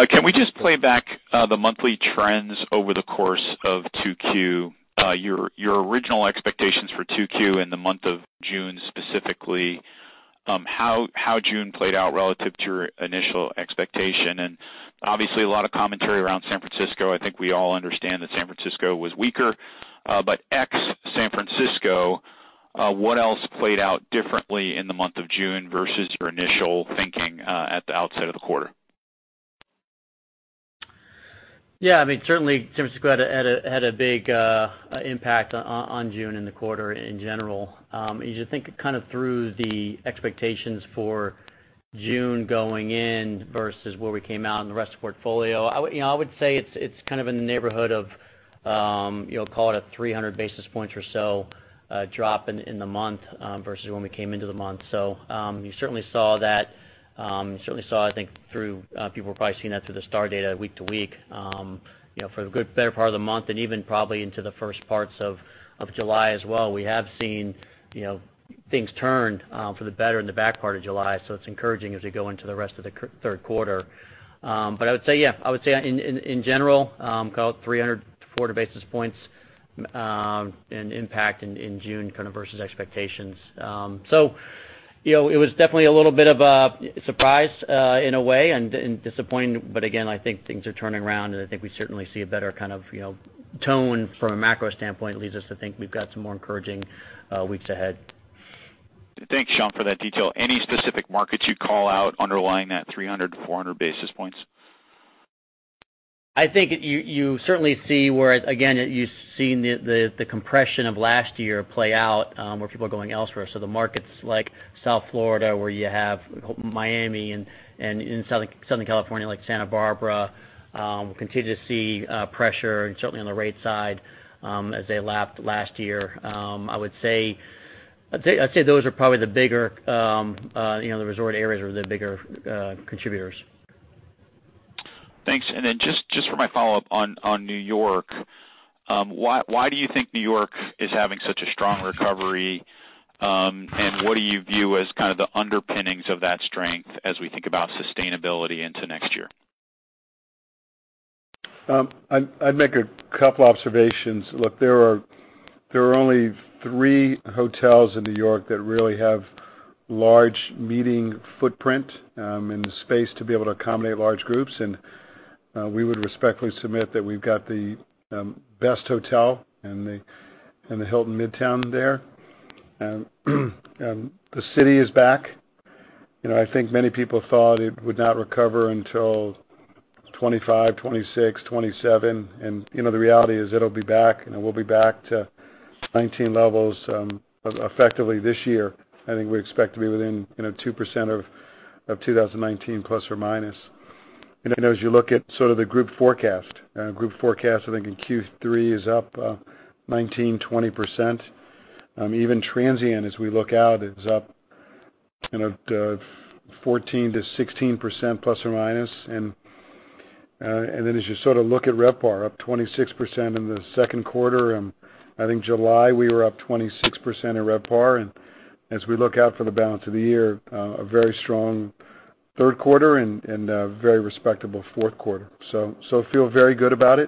Can we just play back the monthly trends over the course of 2Q? Your original expectations for 2Q in the month of June, specifically, how June played out relative to your initial expectation? Obviously, a lot of commentary around San Francisco. I think we all understand that San Francisco was weaker, but ex-San Francisco, what else played out differently in the month of June versus your initial thinking at the outset of the quarter? Yeah, I mean, certainly, San Francisco had a big impact on June and the quarter in general. As you think kind of through the expectations for June going in versus where we came out in the rest of the portfolio, I would, you know, I would say it's, it's kind of in the neighborhood of, you know, call it a 300 basis points or so drop in the month versus when we came into the month. You certainly saw that, you certainly saw, I think, through people were probably seeing that through the Star data week to week, you know, for the good, better part of the month and even probably into the first parts of July as well. We have seen, you know, things turn for the better in the back part of July, so it's encouraging as we go into the rest of the third quarter. I would say, yeah, I would say in, in, in general, call it 300 to 400 basis points in impact in June, kind of, versus expectations. You know, it was definitely a little bit of a surprise in a way and disappointing. Again, I think things are turning around, and I think we certainly see a better kind of, you know, tone from a macro standpoint, leads us to think we've got some more encouraging weeks ahead. Thanks, Sean, for that detail. Any specific markets you'd call out underlying that 300-400 basis points? I think you, you certainly see where, again, you've seen the, the, the compression of last year play out, where people are going elsewhere. The markets like South Florida, where you have Miami and, and in Southern, Southern California, like Santa Barbara, we continue to see pressure and certainly on the rate side, as they lapped last year. I would say those are probably the bigger, you know, the resort areas or the bigger contributors. Thanks. Then just, just for my follow-up on, on New York, why, why do you think New York is having such a strong recovery? What do you view as kind of the underpinnings of that strength as we think about sustainability into next year? I'd, I'd make a couple observations. Look, there are, there are only 3 hotels in New York that really have large meeting footprint, and the space to be able to accommodate large groups, and we would respectfully submit that we've got the best hotel in the Hilton Midtown there. The city is back. You know, I think many people thought it would not recover until 2025, 2026, 2027, and, you know, the reality is it'll be back, and we'll be back to 19 levels effectively this year. I think we expect to be within, you know, 2% of 2019, plus or minus. I know as you look at sort of the group forecast, group forecast, I think in Q3 is up 19-20%. Even transient as we look out, is up 14%-16% plus or minus. As you sort of look at RevPAR, up 26% in the second quarter, and I think July, we were up 26% in RevPAR. As we look out for the balance of the year, a very strong third quarter and a very respectable fourth quarter. Feel very good about it.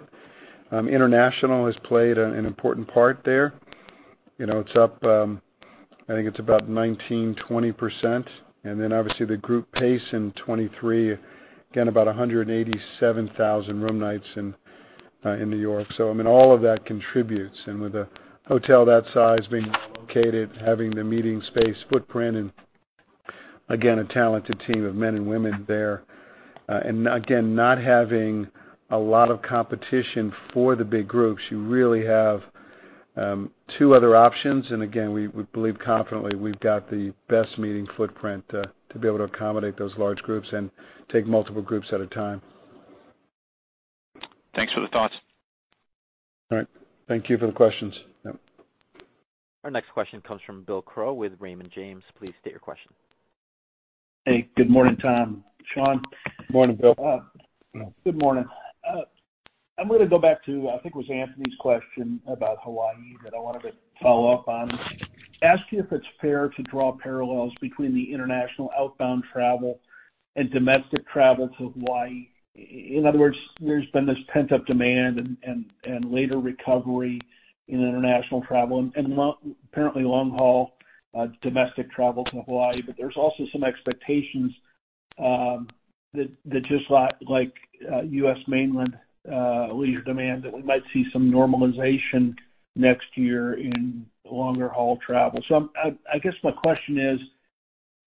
International has played an important part there. It's up, I think it's about 19%-20%. Obviously, the group pace in 2023, again, about 187,000 room nights in New York. All of that contributes. With a hotel that size being located, having the meeting space footprint and, again, a talented team of men and women there. Again, not having a lot of competition for the big groups, you really have two other options. Again, we, we believe confidently we've got the best meeting footprint to be able to accommodate those large groups and take multiple groups at a time. Thanks for the thoughts. All right. Thank you for the questions. Yep. Our next question comes from Bill Crow with Raymond James. Please state your question. Hey, good morning, Tom, Sean. Good morning, Bill. Good morning. I'm gonna go back to, I think it was Anthony's question about Hawaii that I wanted to follow up on. Ask you if it's fair to draw parallels between the international outbound travel and domestic travel to Hawaii. In other words, there's been this pent-up demand and, and, and later recovery in international travel and long- apparently long-haul domestic travel to Hawaii. There's also some expectations that, that just like, like U.S. mainland leisure demand, that we might see some normalization next year in longer-haul travel. I, I guess my question is: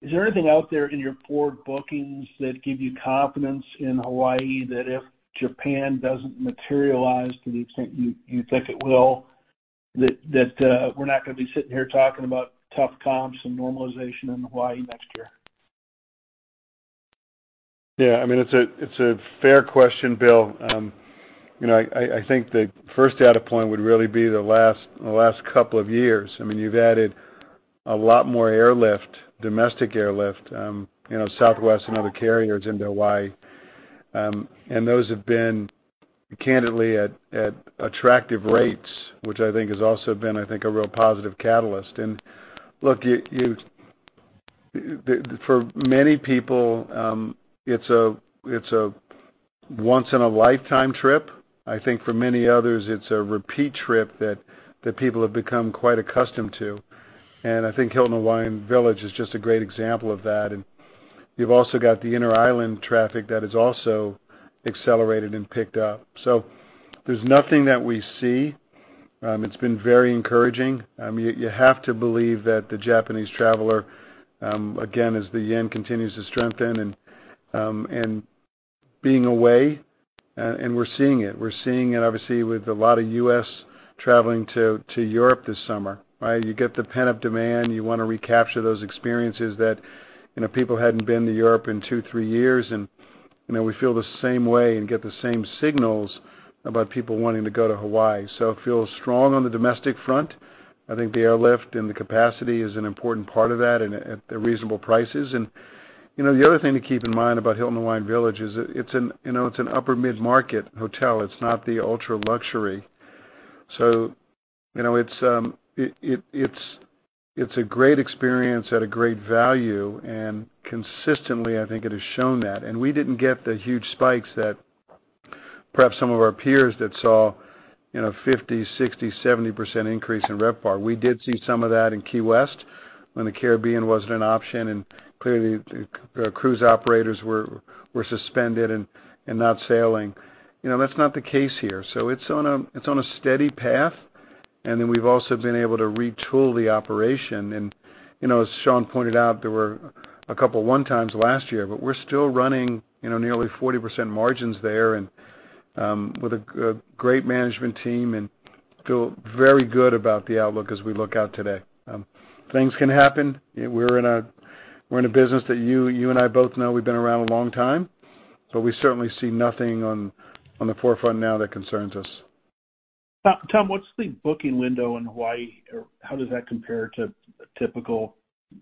Is there anything out there in your forward bookings that give you confidence in Hawaii, that if Japan doesn't materialize to the extent you, you think it will, that, that we're not gonna be sitting here talking about tough comps and normalization in Hawaii next year? Yeah, I mean, it's a, it's a fair question, Bill. you know, I, I think the first data point would really be the last, the last couple of years. I mean, you've added a lot more airlift, domestic airlift, you know, Southwest and other carriers into Hawaii. Those have been candidly at, at attractive rates, which I think has also been, I think, a real positive catalyst. Look, for many people, it's a, it's a once-in-a-lifetime trip. I think for many others, it's a repeat trip that, that people have become quite accustomed to. I think Hilton Hawaiian Village is just a great example of that. You've also got the Inter-Island traffic that has also accelerated and picked up. There's nothing that we see. It's been very encouraging. I mean, you, you have to believe that the Japanese traveler, again, as the yen continues to strengthen and, and being away, we're seeing it. We're seeing it obviously, with a lot of U.S. traveling to, to Europe this summer, right? You get the pent-up demand, you wanna recapture those experiences that, you know, people hadn't been to Europe in 2, 3 years, and, you know, we feel the same way and get the same signals about people wanting to go to Hawaii. It feels strong on the domestic front. I think the airlift and the capacity is an important part of that and at, at reasonable prices. You know, the other thing to keep in mind about Hilton Hawaiian Village is it's, you know, it's an upper mid-market hotel. It's not the ultra-luxury. You know, it's, it's a great experience at a great value, and consistently, I think it has shown that. We didn't get the huge spikes that perhaps some of our peers that saw, you know, 50%, 60%, 70% increase in RevPAR. We did see some of that in Key West when the Caribbean wasn't an option, and clearly, the cruise operators were, were suspended and, and not sailing. You know, that's not the case here. It's on a, it's on a steady path, and then we've also been able to retool the operation. You know, as Sean pointed out, there were a couple of one-times last year, but we're still running, you know, nearly 40% margins there and, with a great management team and feel very good about the outlook as we look out today. Things can happen. We're in a business that you, you and I both know we've been around a long time, but we certainly see nothing on, on the forefront now that concerns us. Tom, what's the booking window in Hawaii, or how does that compare to a typical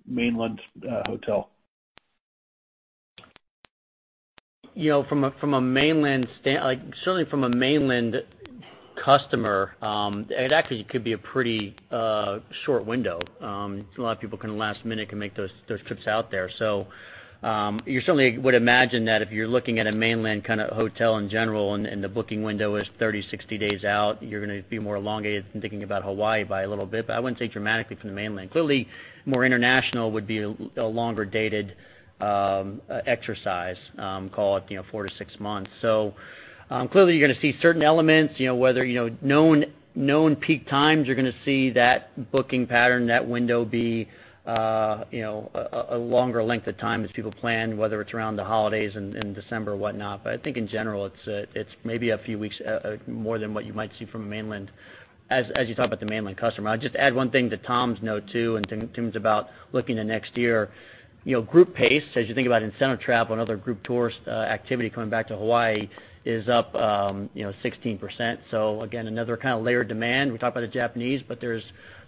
mainland hotel? You know, from a mainland stand- like, certainly from a mainland customer, it actually could be a pretty short window. A lot of people can, last minute, can make those trips out there. You certainly would imagine that if you're looking at a mainland kind of hotel in general, and the booking window is 30-60 days out, you're gonna be more elongated than thinking about Hawaii by a little bit, but I wouldn't say dramatically from the mainland. Clearly, more international would be a longer dated exercise, call it, you know, 4 to 6 months. Clearly, you're gonna see certain elements, you know, whether, you know, known, known peak times, you're gonna see that booking pattern, that window be, you know, a, a longer length of time as people plan, whether it's around the holidays and, and December or whatnot. I think in general, it's, it's maybe a few weeks more than what you might see from a mainland as, as you talk about the mainland customer. I'll just add one thing to Tom's note, too, and to, to about looking to next year. You know, group pace, as you think about incentive travel and other group tours, activity coming back to Hawaii is up, you know, 16%. Again, another kind of layered demand. We talked about the Japanese, but there's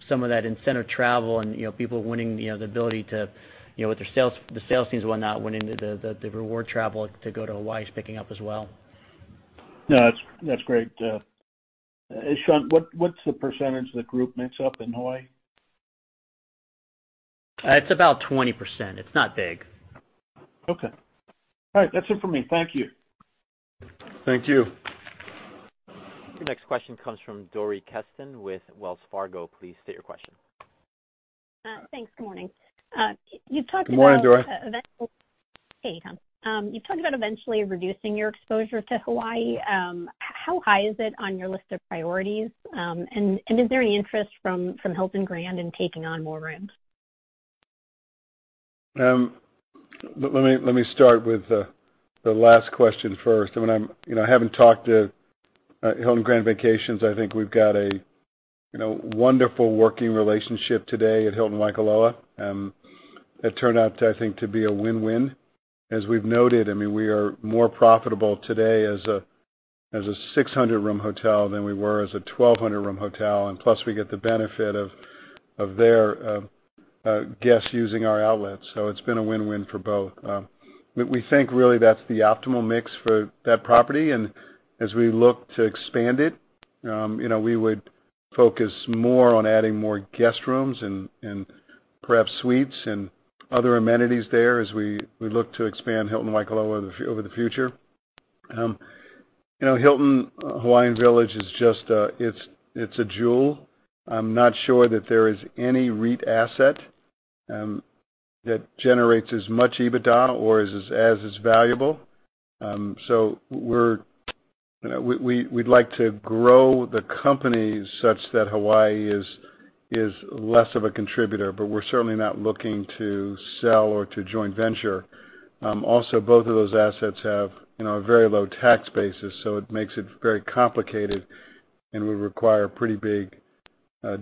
some of that incentive travel and, you know, people winning, you know, the ability to, you know, with their sales, the sales teams and whatnot, winning the, the reward travel to go to Hawaii is picking up as well. No, that's, that's great. Sean, what, what's the percentage that group makes up in Hawaii? It's about 20%. It's not big. Okay. All right, that's it for me. Thank you. Thank you. Your next question comes from Dori Kesten with Wells Fargo. Please state your question. Thanks. Good morning. You talked about Good morning, Dori. Hey, Tom. You talked about eventually reducing your exposure to Hawaii. How high is it on your list of priorities? And is there any interest from, from Hilton Grand in taking on more rooms? Let me, let me start with the, the last question first. I mean, you know, I haven't talked to Hilton Grand Vacations. I think we've got a, you know, wonderful working relationship today at Hilton Waikoloa. It turned out, I think, to be a win-win. As we've noted, I mean, we are more profitable today as a, as a 600 room hotel than we were as a 1,200 room hotel, and plus, we get the benefit of, of their guests using our outlets. So it's been a win-win for both. We, we think really that's the optimal mix for that property, and as we look to expand it, you know, we would focus more on adding more guest rooms and, and perhaps suites and other amenities there as we, we look to expand Hilton Waikoloa over the, over the future. You know, Hilton Hawaiian Village is just a, it's, it's a jewel. I'm not sure that there is any REIT asset that generates as much EBITDA or as is, as is valuable. So we're, you know, we, we, we'd like to grow the company such that Hawaii is, is less of a contributor, but we're certainly not looking to sell or to joint venture. Also, both of those assets have, you know, a very low tax basis, so it makes it very complicated and would require pretty big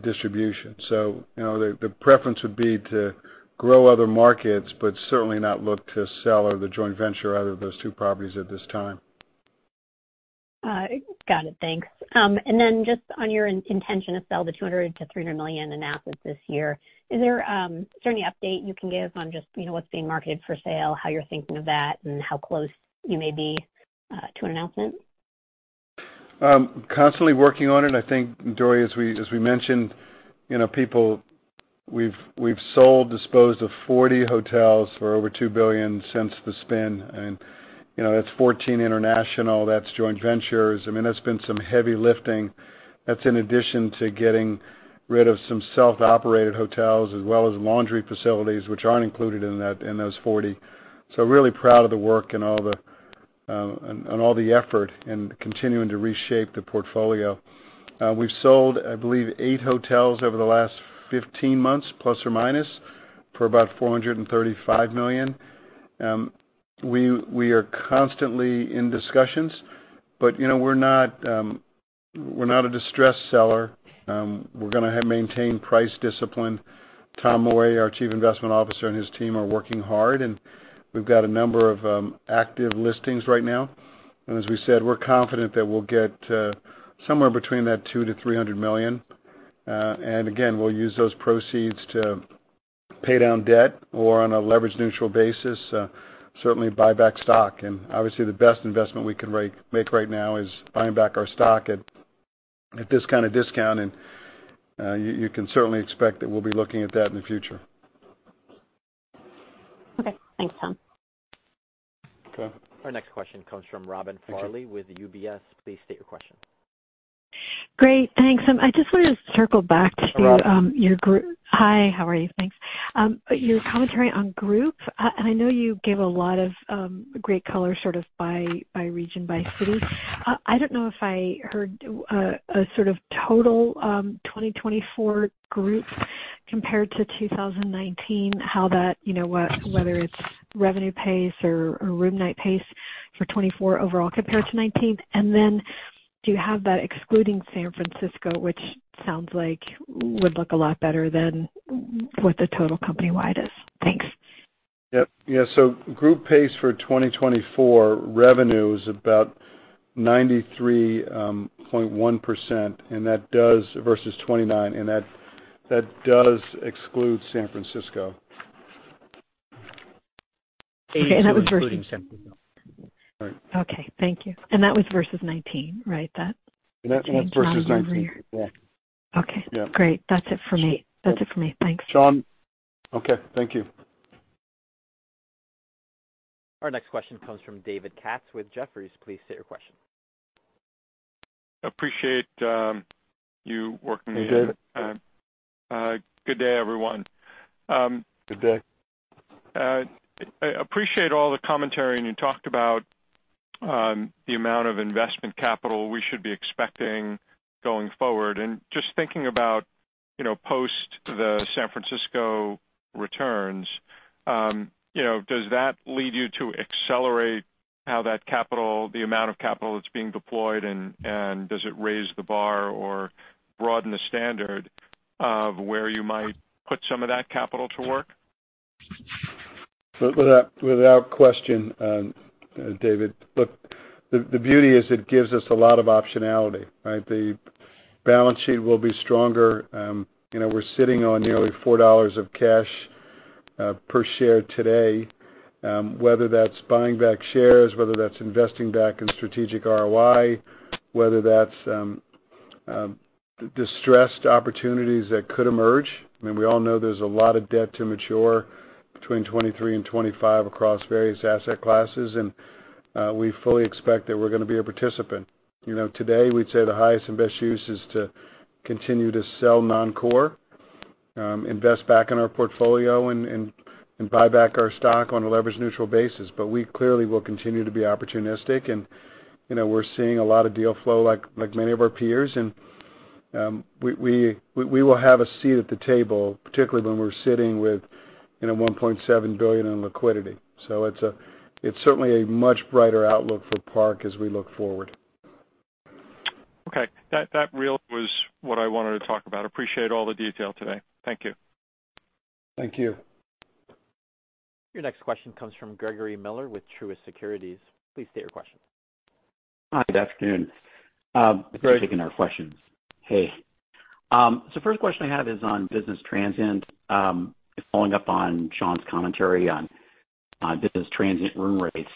distribution. you know, the, the preference would be to grow other markets, but certainly not look to sell or the joint venture out of those two properties at this time. Got it. Thanks. Just on your in-intention to sell the $200 million-$300 million in assets this year, is there any update you can give on just, you know, what's being marketed for sale, how you're thinking of that, and how close you may be to an announcement? Constantly working on it. I think, Dori, as we, as we mentioned, you know, people, we've, we've sold, disposed of 40 hotels for over $2 billion since the spin. you know, that's 14 international, that's joint ventures. I mean, that's been some heavy lifting. That's in addition to getting rid of some self-operated hotels as well as laundry facilities, which aren't included in that, in those 40. really proud of the work and all the, and all the effort in continuing to reshape the portfolio. we've sold, I believe, 8 hotels over the last 15 months, plus or minus, for about $435 million. we, we are constantly in discussions, but, you know, we're not, we're not a distressed seller. we're gonna have maintained price discipline. Tom Morey, our Chief Investment Officer, and his team are working hard, and we've got a number of active listings right now. As we said, we're confident that we'll get somewhere between that $200 million-$300 million. Again, we'll use those proceeds to pay down debt or on a leverage neutral basis, certainly buy back stock. Obviously, the best investment we can make, make right now is buying back our stock at this kind of discount, and you, you can certainly expect that we'll be looking at that in the future. Okay. Thanks, Tom. Okay. Our next question comes from Robin Farley with UBS. Please state your question. Great, thanks. I just wanted to circle back to Hi, Robin. Your group. Hi, how are you? Thanks. Your commentary on group, and I know you gave a lot of great color, sort of by region, by city. I don't know if I heard a sort of total 2024 group compared to 2019, how that, you know, what, whether it's revenue pace or room night pace for 24 overall compared to 19. Then do you have that excluding San Francisco, which sounds like would look a lot better than what the total company-wide is? Thanks. Yep. Yeah, group pace for 2024 revenue is about 93.1% versus 2019, and that, that does exclude San Francisco. Okay, that was versus- Including San Francisco. All right. Okay, thank you. That was versus 19, right? That, that was 19, yeah. Okay. Yeah. Great. That's it for me. That's it for me. Thanks. Sean? Okay, thank you. Our next question comes from David Katz, with Jefferies. Please state your question. Appreciate, you working me in. Hey, David. Good day, everyone. Good day. I appreciate all the commentary, and you talked about, the amount of investment capital we should be expecting going forward. Just thinking about, you know, post the San Francisco returns, you know, does that lead you to accelerate how that capital, the amount of capital that's being deployed, and, and does it raise the bar or broaden the standard of where you might put some of that capital to work? Without, without question, David, look, the, the beauty is it gives us a lot of optionality, right? The balance sheet will be stronger. you know, we're sitting on nearly $4 of cash per share today. whether that's buying back shares, whether that's investing back in strategic ROI, whether that's, distressed opportunities that could emerge. I mean, we all know there's a lot of debt to mature between 2023 and 2025 across various asset classes. We fully expect that we're gonna be a participant. You know, today, we'd say the highest and best use is to continue to sell non-core, invest back in our portfolio and buy back our stock on a leverage-neutral basis. We clearly will continue to be opportunistic, and, you know, we're seeing a lot of deal flow, like, like many of our peers. We will have a seat at the table, particularly when we're sitting with, you know, $1.7 billion in liquidity. It's certainly a much brighter outlook for Park as we look forward. Okay. That, that really was what I wanted to talk about. Appreciate all the detail today. Thank you. Thank you. Your next question comes from Gregory Miller with Truist Securities. Please state your question. Hi, good afternoon. Gregory Thank you for taking our questions. Hey, first question I have is on business transient. Following up on Sean's commentary on, on business transient room rates.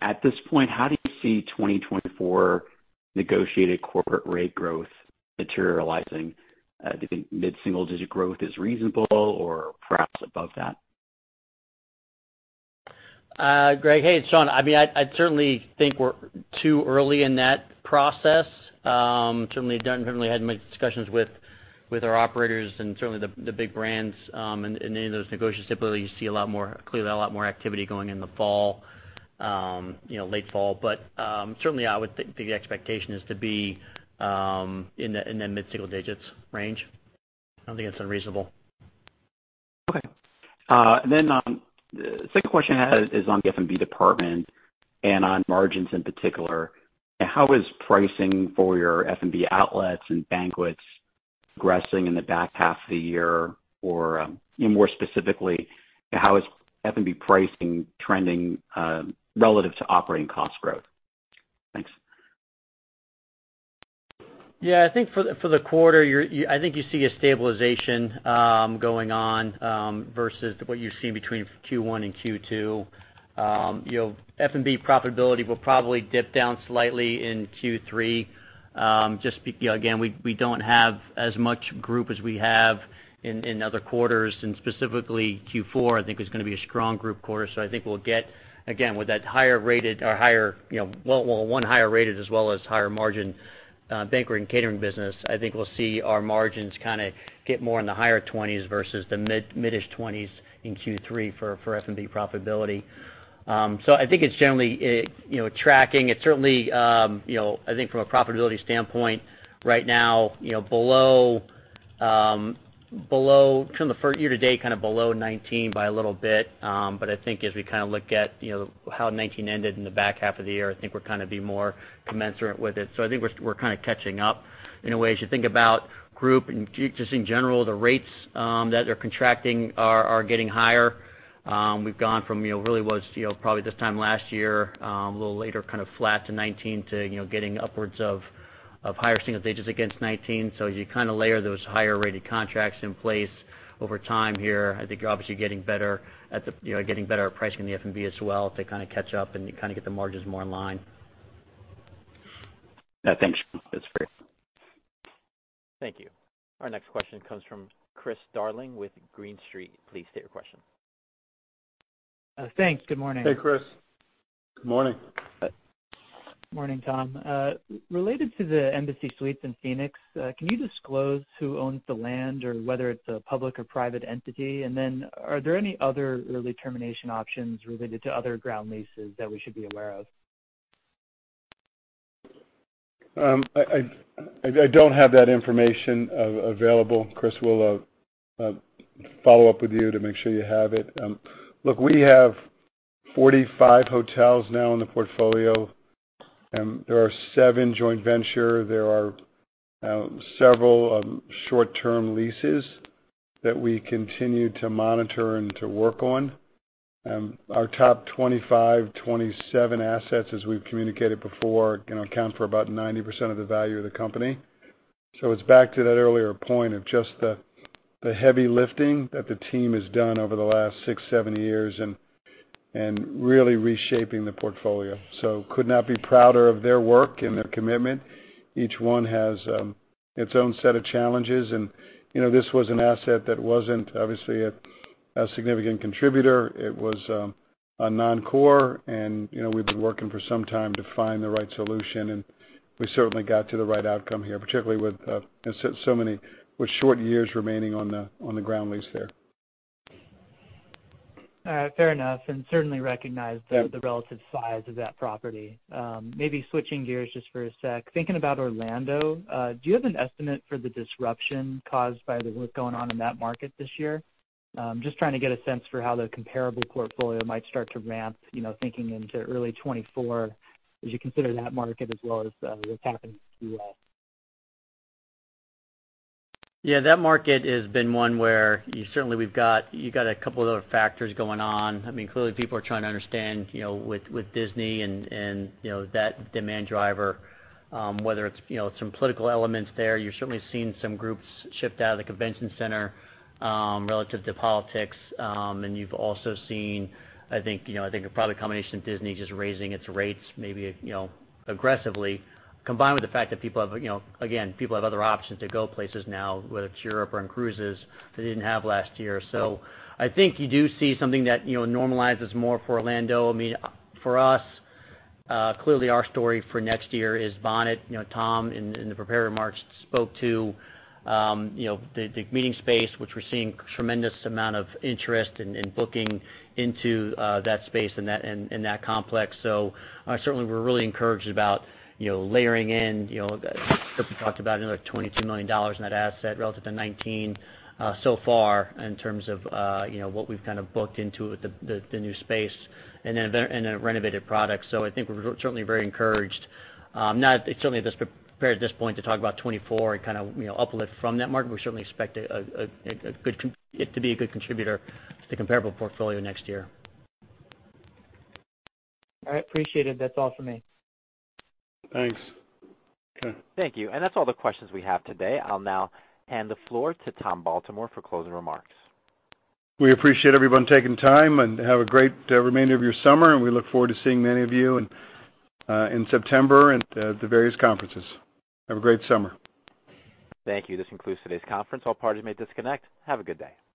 At this point, how do you see 2024 negotiated corporate rate growth materializing? Do you think mid-single-digit growth is reasonable or perhaps above that? Gregory, hey, it's Sean. I mean, I, I certainly think we're too early in that process. Certainly had many discussions with, with our operators and certainly the, the big brands, and, and any of those negotiations. Typically, you see clearly a lot more activity going in the fall, you know, late fall. But, certainly, I would think the expectation is to be in the, in the mid-single digits range. I don't think that's unreasonable. Okay. The second question I had is on the F&B department and on margins in particular. How is pricing for your F&B outlets and banquets progressing in the back half of the year? You know, more specifically, how is F&B pricing trending relative to operating cost growth? Thanks. Yeah, I think for the, for the quarter, you're, you- I think you see a stabilization going on versus what you've seen between Q1 and Q2. You know, F&B profitability will probably dip down slightly in Q3. Just, again, we, we don't have as much group as we have in, in other quarters, and specifically, Q4, I think, is gonna be a strong group quarter. I think we'll get, again, with that higher rated or higher, you know, well, one higher rated as well as higher margin, banqueting and catering business, I think we'll see our margins kind of get more in the higher 20s versus the mid, mid-ish 20s in Q3 for, for F&B profitability. I think it's generally, it, you know, tracking. It's certainly, you know, I think from a profitability standpoint, right now, you know, below, below kind of the year to date, kind of below 2019 by a little bit. I think as we kind of look at, you know, how 2019 ended in the back half of the year, I think we're kind of be more commensurate with it. I think we're, we're kind of catching up in a way. As you think about group and just in general, the rates, that are contracting are, are getting higher. We've gone from, you know, really was, you know, probably this time last year, a little later, kind of flat to 2019 to, you know, getting upwards of, of higher single digits against 2019. As you kind of layer those higher-rated contracts in place over time here, I think you're obviously getting better at you know, getting better at pricing the F&B as well to kind of catch up, and you kind of get the margins more in line. Thanks, Sean. That's great. Thank you. Our next question comes from Chris Darling with Green Street. Please state your question. Thanks. Good morning. Hey, Chris. Good morning. Morning, Tom. Related to the Embassy Suites in Phoenix, can you disclose who owns the land or whether it's a public or private entity? Are there any other early termination options related to other ground leases that we should be aware of? I don't have that information available. Chris, we'll follow up with you to make sure you have it. Look, we have 45 hotels now in the portfolio, and there are 7 joint venture. There are several short-term leases that we continue to monitor and to work on. Our top 25, 27 assets, as we've communicated before, you know, account for about 90% of the value of the company. It's back to that earlier point of just the, the heavy lifting that the team has done over the last 6, 7 years and, and really reshaping the portfolio. Could not be prouder of their work and their commitment. Each one has its own set of challenges. You know, this was an asset that wasn't obviously a, a significant contributor. It was a non-core, and, you know, we've been working for some time to find the right solution, and we certainly got to the right outcome here, particularly with so many, with short years remaining on the, on the ground lease there. Fair enough, certainly recognize Yeah the relative size of that property. Maybe switching gears just for a sec. Thinking about Orlando, do you have an estimate for the disruption caused by the work going on in that market this year? Just trying to get a sense for how the comparable portfolio might start to ramp, you know, thinking into early 2024, as you consider that market as well as, what's happening to you all. Yeah, that market has been one where you certainly you got a couple of other factors going on. I mean, clearly, people are trying to understand, you know, with, with Disney and, and, you know, that demand driver, whether it's, you know, some political elements there. You're certainly seeing some groups shift out of the convention center, relative to politics. And you've also seen, I think, you know, I think a product combination of Disney just raising its rates, maybe, you know, aggressively, combined with the fact that people have, you know, again, people have other options to go places now, whether it's Europe or on cruises, they didn't have last year. I think you do see something that, you know, normalizes more for Orlando. I mean, for us, clearly, our story for next year is Bonnet. You know, Tom, in the prepared remarks, spoke to, you know, the meeting space, which we're seeing tremendous amount of interest in, in booking into that space and that in that complex. So certainly, we're really encouraged about, you know, layering in, you know, we talked about another $22 million in that asset relative to 19 so far in terms of, you know, what we've kind of booked into the new space and the renovated product. So I think we're certainly very encouraged. Not certainly, just prepared at this point to talk about 2024 and kind of, you know, uplift from that market. We certainly expect it to be a good contributor to comparable portfolio next year. All right. Appreciate it. That's all for me. Thanks. Okay. Thank you. That's all the questions we have today. I'll now hand the floor to Tom Baltimore for closing remarks. We appreciate everyone taking time, and have a great remainder of your summer, and we look forward to seeing many of you in September at the various conferences. Have a great summer. Thank you. This concludes today's conference. All parties may disconnect. Have a good day.